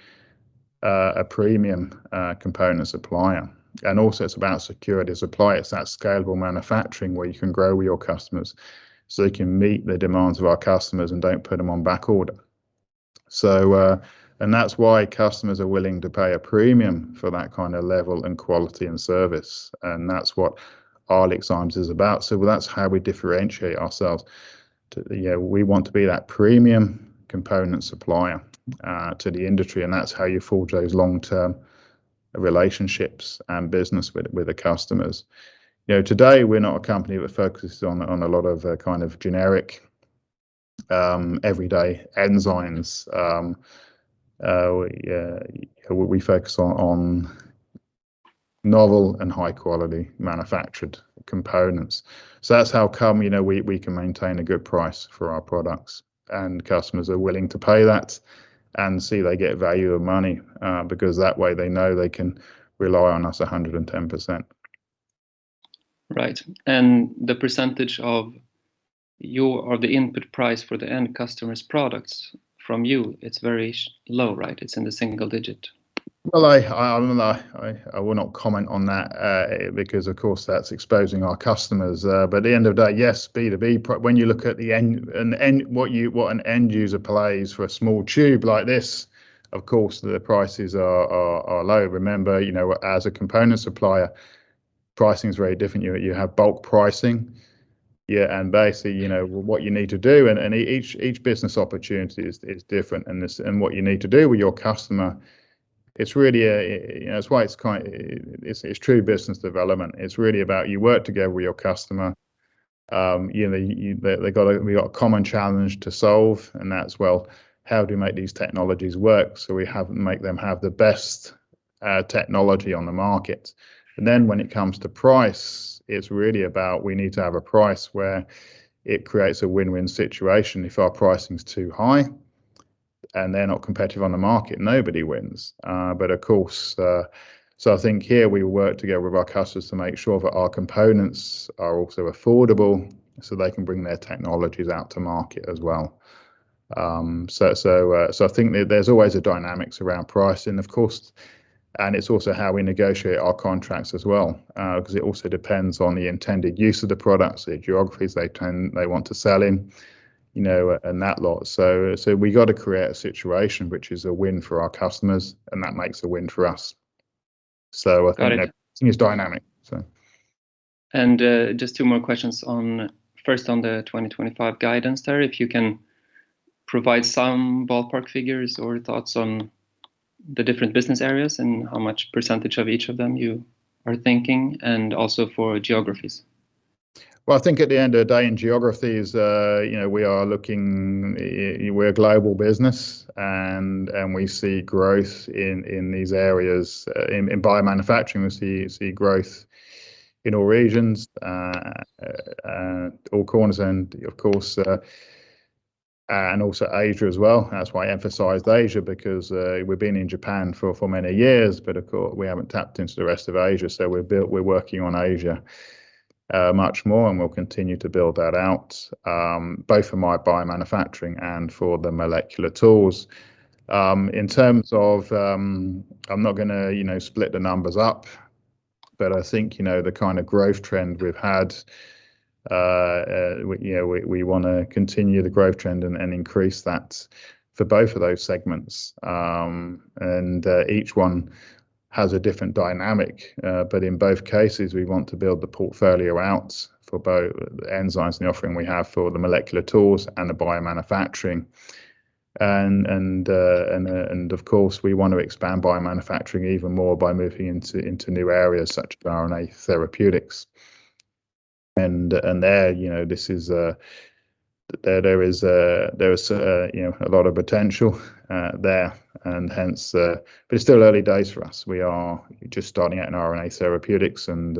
a premium component supplier. Also it's about supply security. It's that scalable manufacturing where you can grow with your customers so they can meet the demands of our customers and don't put them on back order. That's why customers are willing to pay a premium for that kind of level and quality and service. That's what excellence is about. That's how we differentiate ourselves. Yeah, we want to be that premium component supplier to the industry. That's how you forge those long-term relationships and business with the customers. You know, today we're not a company that focuses on a lot of kind of generic everyday enzymes. We focus on novel and high-quality manufactured components. That's how come, you know, we can maintain a good price for our products and customers are willing to pay that and see they get value of money because that way they know they can rely on us 110%. Right. And the percentage of your or the input price for the end customers' products from you, it's very low, right? It's in the single digit. Well, I will not comment on that because, of course, that's exposing our customers. At the end of the day, yes, B2B, when you look at the end and what an end user pays for a small tube like this, of course, the prices are low. Remember, you know, as a component supplier, pricing is very different. You have bulk pricing. Yeah. Basically, you know, what you need to do and each business opportunity is different. What you need to do with your customer, it's really a, you know, it's why it's kind of true business development. It's really about you work together with your customer. You know, they've got, we've got a common challenge to solve. That's, well, how do we make these technologies work? We have to make them have the best technology on the market. And then, when it comes to price, it's really about we need to have a price where it creates a win-win situation. If our pricing is too high and they're not competitive on the market, nobody wins. Of course. I think here we work together with our customers to make sure that our components are also affordable so they can bring their technologies out to market as well. I think there's always a dynamic around pricing, of course. It's also how we negotiate our contracts as well, because it also depends on the intended use of the products, the geographies they intend to sell in, you know, and all that. We got to create a situation which is a win for our customers and that makes a win for us. I think it's dynamic. Just two more questions, first on the 2025 guidance there, if you can provide some ballpark figures or thoughts on the different business areas and how much percentage of each of them you are thinking, and also for geographies? Well, I think at the end of the day in geographies, you know, we're a global business and we see growth in these areas in biomanufacturing. We see growth in all regions, all corners, of course, and also Asia as well. That's why I emphasized Asia, because we've been in Japan for many years. Of course, we haven't tapped into the rest of Asia. We're working on Asia much more, and we'll continue to build that out both for our biomanufacturing and for the molecular tools. In terms of, I'm not going to split the numbers up, but I think, you know, the kind of growth trend we've had, you know, we want to continue the growth trend and increase that for both of those segments. Each one has a different dynamic. In both cases, we want to build the portfolio out for both enzymes and the offering we have for the molecular tools and the biomanufacturing. Of course, we want to expand biomanufacturing even more by moving into new areas such as RNA therapeutics. There, you know, there is a lot of potential there. Hence it's still early days for us. We are just starting out in RNA therapeutics and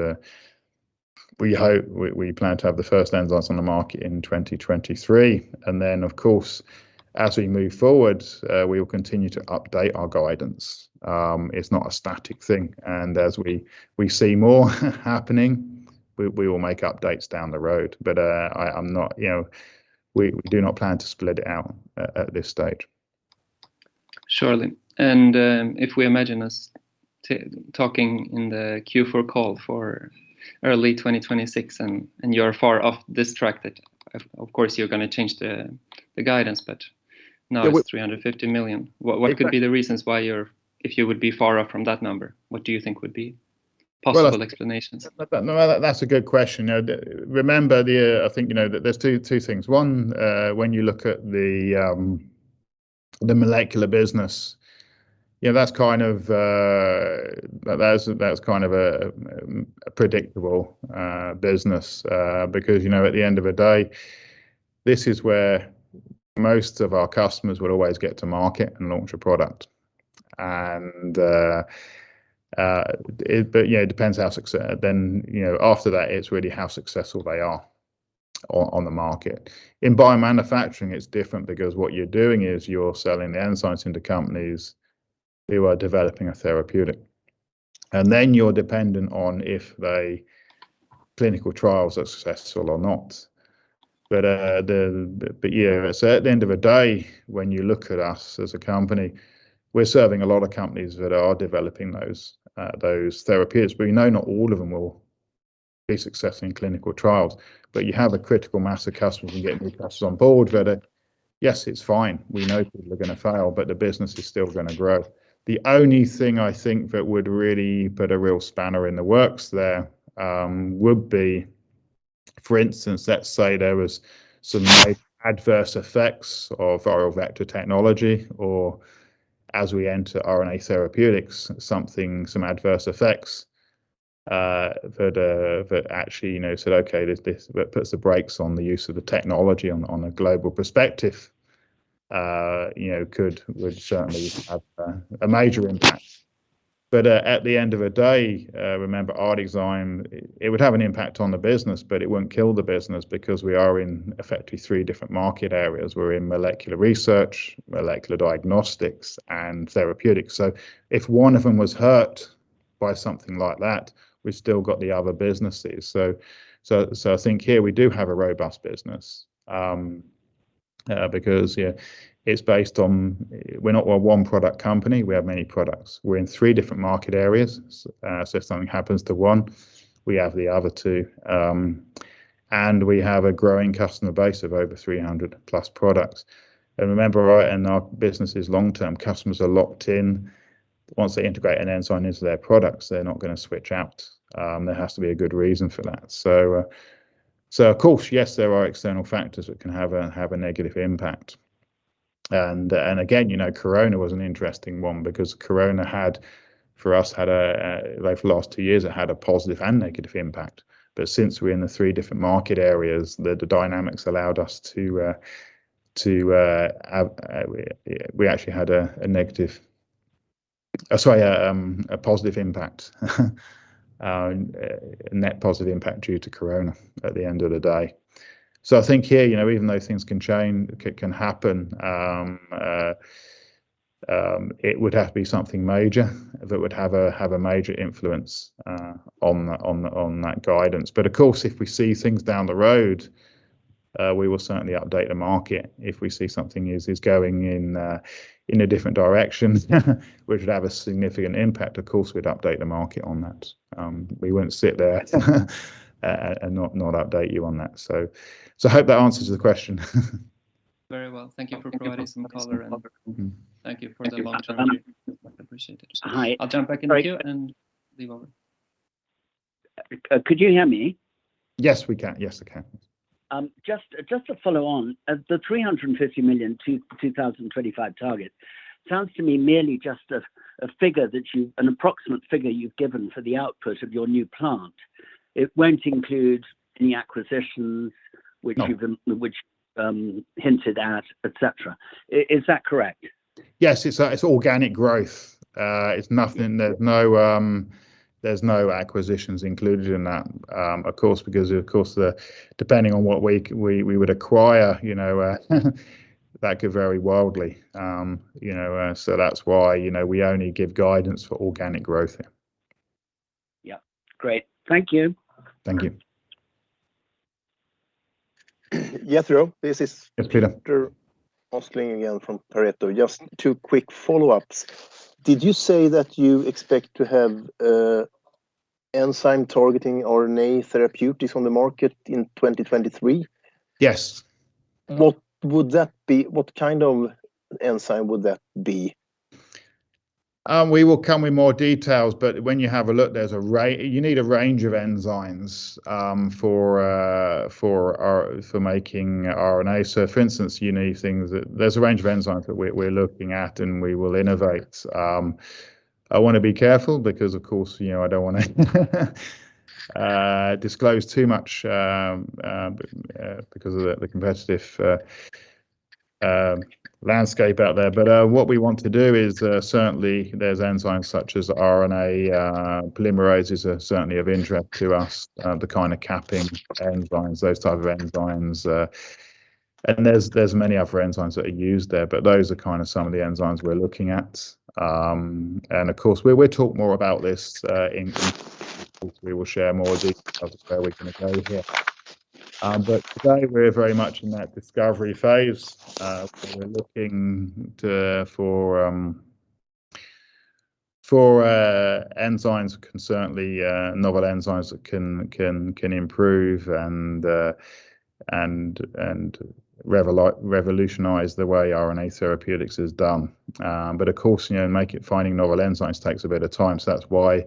we hope we plan to have the first enzymes on the market in 2023. Of course, as we move forward, we will continue to update our guidance. It's not a static thing. As we see more happening, we will make updates down the road. I'm not, you know, we do not plan to split it out at this stage. Surely. If we imagine us talking in the Q4 call for early 2026 and you're far off this track, that, of course, you're going to change the guidance. Now it's 350 million. What could be the reasons why you would be far off from that number? What do you think would be possible explanations? That's a good question. Remember, I think, you know, that there's two things. One, when you look at the molecular business, you know, that's kind of a predictable business because, you know, at the end of the day, this is where most of our customers will always get to market and launch a product. But you know, it depends how successful then, you know, after that, it's really how successful they are on the market. In biomanufacturing, it's different because what you're doing is you're selling the enzymes into companies who are developing a therapeutic. Then you're dependent on if their clinical trials are successful or not. At the end of the day, when you look at us as a company, we're serving a lot of companies that are developing those therapies, but you know not all of them will be successful in clinical trials. You have a critical mass of customers and getting new customers on board that are, yes, it's fine, we know people are gonna fail, but the business is still gonna grow. The only thing I think that would really put a real spanner in the works there would be, for instance, let's say there was some adverse effects of viral vector technology, or as we enter RNA therapeutics, something, some adverse effects that actually, you know, said, okay, this puts the brakes on the use of the technology on a global perspective, you know, would certainly have a major impact. At the end of the day, remember ArcticZymes, it would have an impact on the business, but it won't kill the business because we are in effectively three different market areas. We're in molecular research, molecular diagnostics, and therapeutics. If one of them was hurt by something like that, we've still got the other businesses. I think here we do have a robust business, because yeah, it's based on, we're not a one product company. We have many products. We're in three different market areas, so if something happens to one, we have the other two. We have a growing customer base of over 300+ products. Remember our business is long-term, customers are locked in. Once they integrate an enzyme into their products, they're not gonna switch out. There has to be a good reason for that. Of course, yes, there are external factors that can have a negative impact. Again, you know, Corona was an interesting one because Corona had for us, over the last two years, a positive and negative impact. Since we're in the three different market areas, the dynamics allowed us to actually have a positive impact, a net positive impact due to Corona at the end of the day. I think here, you know, even though things can change, can happen, it would have to be something major that would have a major influence on that guidance. Of course, if we see things down the road, we will certainly update the market. If we see something is going in a different direction which would have a significant impact, of course, we'd update the market on that. We won't sit there and not update you on that. I hope that answers the question. Very well. Thank you for providing some color and thank you for the long-term view. Appreciate it. Hi. I'll jump back in the queue and leave over. Could you hear me? Yes, we can. Yes, I can. Just to follow on, the 350 million 2025 target sounds to me merely just an approximate figure you've given for the output of your new plant. It won't include any acquisitions which you've been- No. Which, hinted at, et cetera. Is that correct? Yes. It's organic growth. It's nothing. There's no acquisitions included in that, of course, because, of course, then depending on what we would acquire, you know, that could vary wildly. You know, so that's why, you know, we only give guidance for organic growth. Yeah. Great. Thank you. Thank you. Jethro, this is. Yeah, Peter. Peter Östling again from Pareto. Just two quick follow-ups. Did you say that you expect to have enzyme targeting RNA therapeutics on the market in 2023? Yes. What would that be? What kind of enzyme would that be? We will come with more details, but when you have a look, you need a range of enzymes for making RNA. For instance, you need things that there is a range of enzymes that we're looking at, and we will innovate. I wanna be careful because of course, you know, I don't wanna disclose too much because of the competitive landscape out there. What we want to do is certainly there are enzymes such as RNA polymerases are certainly of interest to us, the kind of capping enzymes, those type of enzymes. There are many other enzymes that are used there, but those are kind of some of the enzymes we're looking at. Of course, we'll talk more about this in Q4. We will share more details of where we're gonna go here. Today we're very much in that discovery phase. We're looking for novel enzymes that can certainly improve and revolutionize the way RNA therapeutics is done. Of course, you know, finding novel enzymes takes a bit of time, so that's why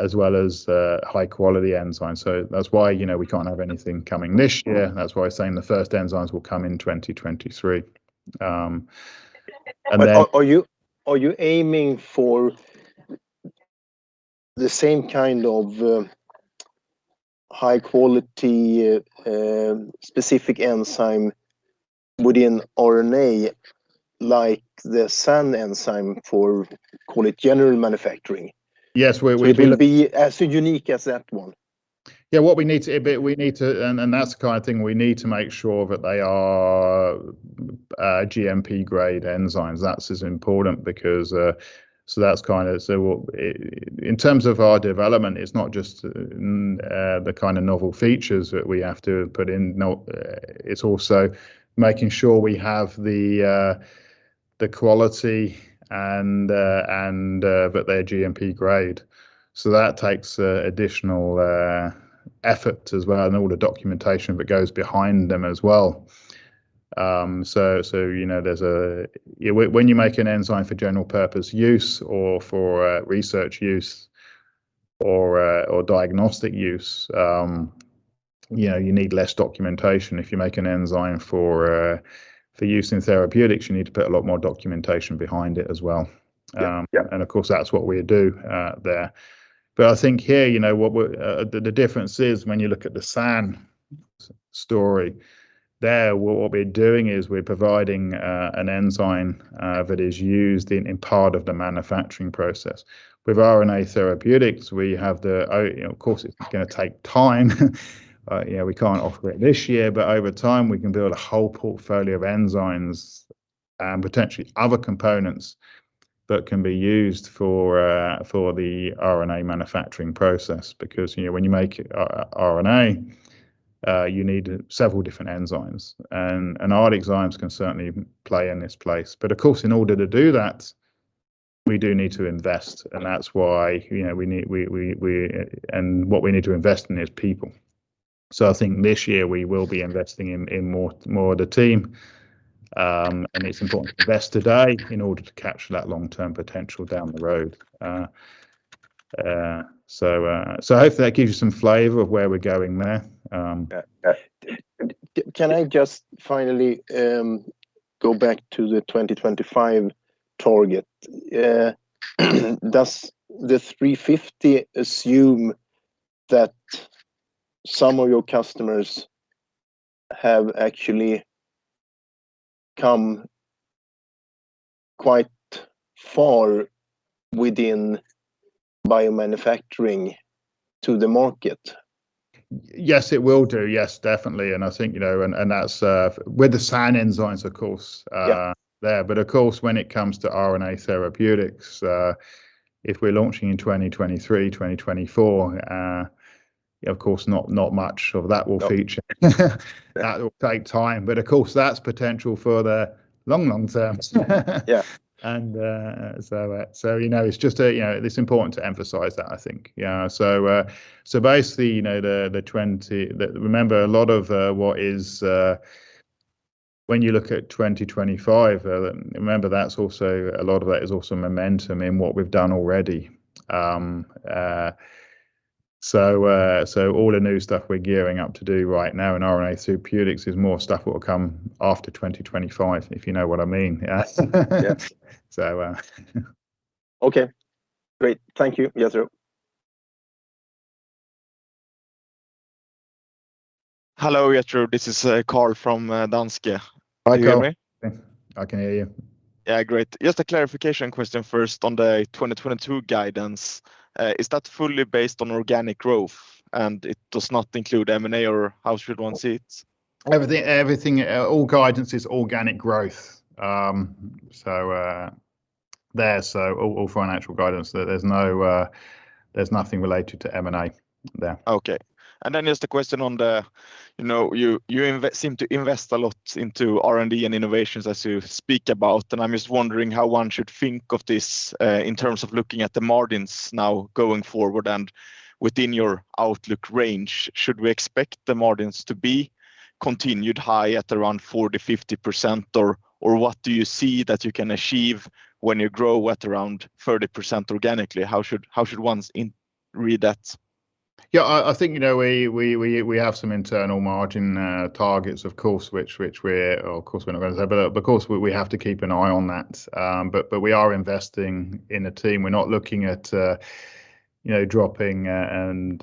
as well as high quality enzymes. That's why, you know, we can't have anything coming this year. That's why I'm saying the first enzymes will come in 2023. Then- Are you aiming for the same kind of high quality specific enzyme within RNA like the SAN enzyme for, call it, general manufacturing? Yes. It will be as unique as that one? Yeah. What we need to make sure that they are GMP-grade enzymes. That's as important because that's kind of in terms of our development. It's not just the kind of novel features that we have to put in note. It's also making sure we have the quality and that they're GMP-grade. That takes additional effort as well and all the documentation that goes behind them as well. You know, when you make an enzyme for general purpose use or for research use or diagnostic use, you know, you need less documentation. If you make an enzyme for use in therapeutics, you need to put a lot more documentation behind it as well. Yeah. Yeah. Of course that's what we do there. I think here, you know, the difference is when you look at the SAN story there, what we're doing is we are providing an enzyme that is used in part of the manufacturing process. With RNA therapeutics, you know, of course it's gonna take time. You know, we can't offer it this year, but over time we can build a whole portfolio of enzymes and potentially other components that can be used for the RNA manufacturing process. Because, you know, when you make RNA, you need several different enzymes and our enzymes can certainly play in its place. Of course, in order to do that, we do need to invest and that's why, you know, we need. What we need to invest in is people. So I think this year we will be investing in more of the team. It's important to invest today in order to capture that long-term potential down the road. Hopefully that gives you some flavor of where we're going there. Can I just finally go back to the 2025 target? Does the 350 assume that some of your customers have actually come quite far within biomanufacturing to the market? Yes, it will do. Yes, definitely. I think, you know, that's with the SAN enzymes of course, there. Yeah. Of course, when it comes to RNA therapeutics, if we're launching in 2023, 2024, of course not much of that will feature. No. That will take time, but of course that's potential for the long, long term. Yeah. You know, it's just, you know, it's important to emphasize that I think. Yeah. Basically, you know, remember a lot of what is when you look at 2025, remember that's also a lot of that is also momentum in what we've done already. All the new stuff we're gearing up to do right now in RNA therapeutics is more stuff that will come after 2025, if you know what I mean. Yeah. Yes. Yeah. So, uh... Okay. Great. Thank you, Jethro. Hello, Jethro. This is Carl from Danske. Can you hear me? Hi, Carl. I can hear you. Yeah. Great. Just a clarification question first on the 2022 guidance. Is that fully based on organic growth and it does not include M&A, or how should one see it? All guidance is organic growth. All financial guidance, there's nothing related to M&A there. Okay. Just a question on the, you know, you seem to invest a lot into R&D and innovations as you speak about, and I'm just wondering how one should think of this in terms of looking at the margins now going forward and within your outlook range. Should we expect the margins to be continued high at around 40%-50% or what do you see that you can achieve when you grow at around 30% organically? How should one interpret that? I think, you know, we have some internal margin targets of course, which we're. Of course we're not gonna say, but of course we have to keep an eye on that. We are investing in a team. We're not looking at, you know, dropping and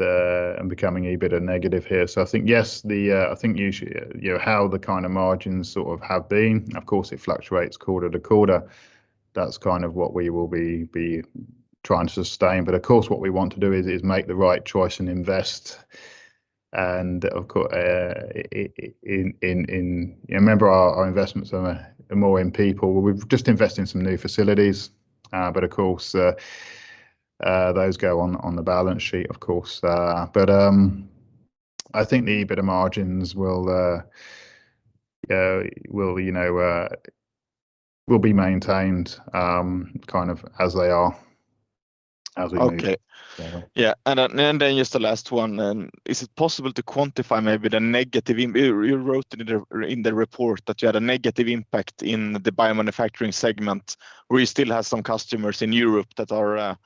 becoming a bit negative here. I think yes, you know how the kind of margins sort of have been, of course it fluctuates quarter-to-quarter. That's kind of what we will be trying to sustain. Of course, what we want to do is make the right choice and invest. Yeah, remember our investments are more in people. We've just invested in some new facilities, but of course, those go on the balance sheet of course. I think the EBITDA margins will, you know, be maintained kind of as they are as we move. Okay. Mm-hmm. Yeah. And then, just the last one. Is it possible to quantify maybe the negative impact? You wrote in the report that you had a negative impact in the biomanufacturing segment, where you still have some customers in Europe that are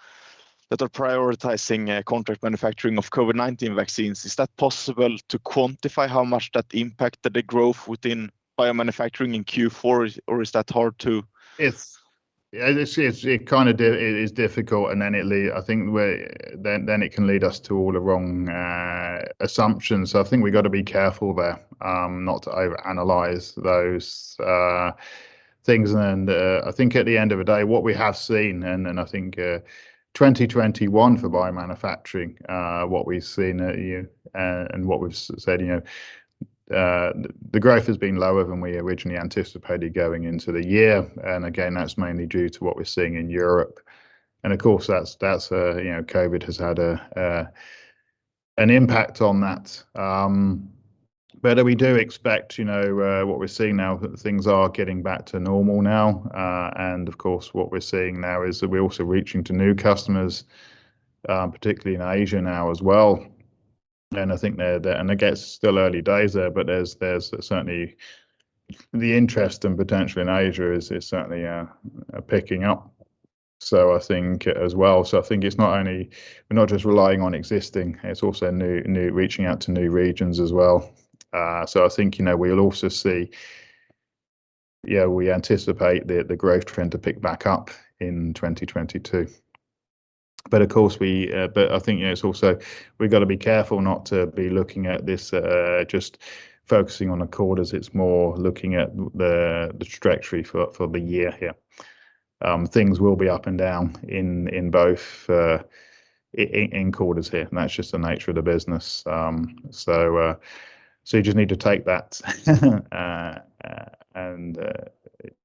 prioritizing contract manufacturing of COVID-19 vaccines. Is that possible to quantify how much that impacted the growth within biomanufacturing in Q4 or is that hard to- Yes. It is difficult. It can lead us to all the wrong assumptions. I think we've gotta be careful there not to overanalyze those things. I think at the end of the day, what we have seen in 2021 for biomanufacturing, what we've seen and what we've said, you know, the growth has been lower than we originally anticipated going into the year. Again, that's mainly due to what we're seeing in Europe. And of course that's you know, COVID has had an impact on that. We do expect, you know, what we're seeing now that things are getting back to normal now. Of course, what we're seeing now is that we're also reaching to new customers, particularly in Asia now as well. I think they're there. I guess it's still early days there, but there's certainly the interest and potential in Asia is certainly picking up. I think it's not only, we're not just relying on existing, it's also new reaching out to new regions as well. I think, you know, we'll also see we anticipate the growth trend to pick back up in 2022. Of course we I think, you know, it's also, we've gotta be careful not to be looking at this just focusing on a quarter as it's more looking at the trajectory for the year here. Things will be up and down in both quarters here, and that's just the nature of the business. You just need to take that and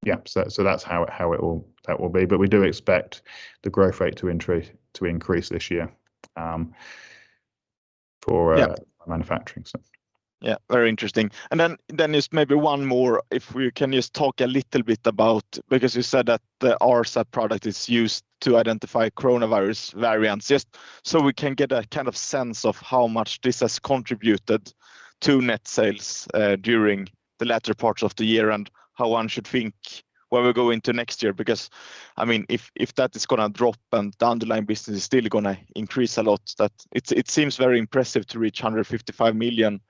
yeah. That's how it will be. We do expect the growth rate to increase this year, for- Yeah manufacturing stuff. Yeah. Very interesting. And then is maybe one more, if we can just talk a little bit about, because you said that the rSAP product is used to identify coronavirus variants, just so we can get a kind of sense of how much this has contributed to net sales during the latter parts of the year and how one should think when we go into next year. Because I mean, if that is gonna drop and the underlying business is still gonna increase a lot, it seems very impressive to reach 155 million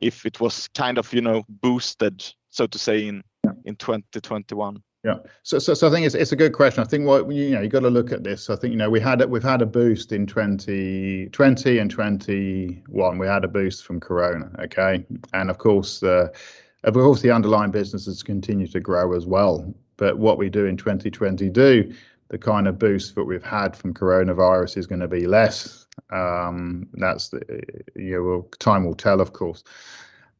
if it was kind of, you know, boosted, so to say, in- Yeah in 2021. Yeah. I think it's a good question. I think, you know, you gotta look at this. I think, you know, we've had a boost in 2020 and 2021. We had a boost from Corona. Okay. Of course the underlying businesses continue to grow as well. What we do in 2022, the kind of boost that we've had from Coronavirus is gonna be less. You know, time will tell, of course.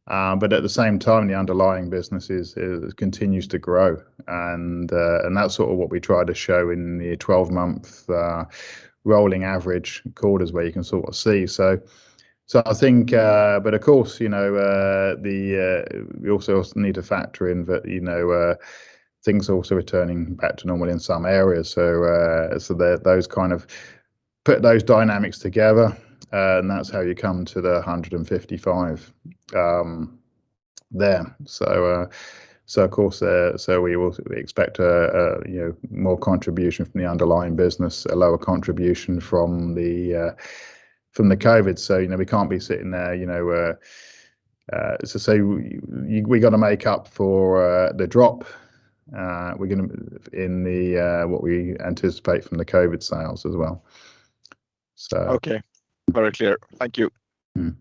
At the same time, the underlying business continues to grow. That's sort of what we try to show in the 12-month rolling average quarters where you can sort of see. I think. Of course, you know, that we also need to factor in that, you know, things are also returning back to normal in some areas. That kind of puts those dynamics together, and that's how you come to the NOK 155 million there. Of course, we will expect a you know more contribution from the underlying business, a lower contribution from the COVID. You know, we can't be sitting there, you know. Say we gotta make up for the drop in what we anticipate from the COVID sales as well. Okay. Very clear. Thank you. Mm.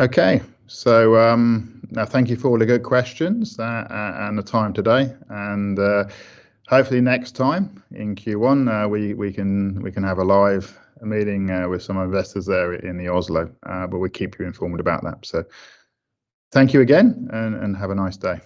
Okay. Now thank you for all the good questions and the time today and hopefully next time in Q1 we can have a live meeting with some investors there in Oslo. But we'll keep you informed about that. Thank you again and have a nice day.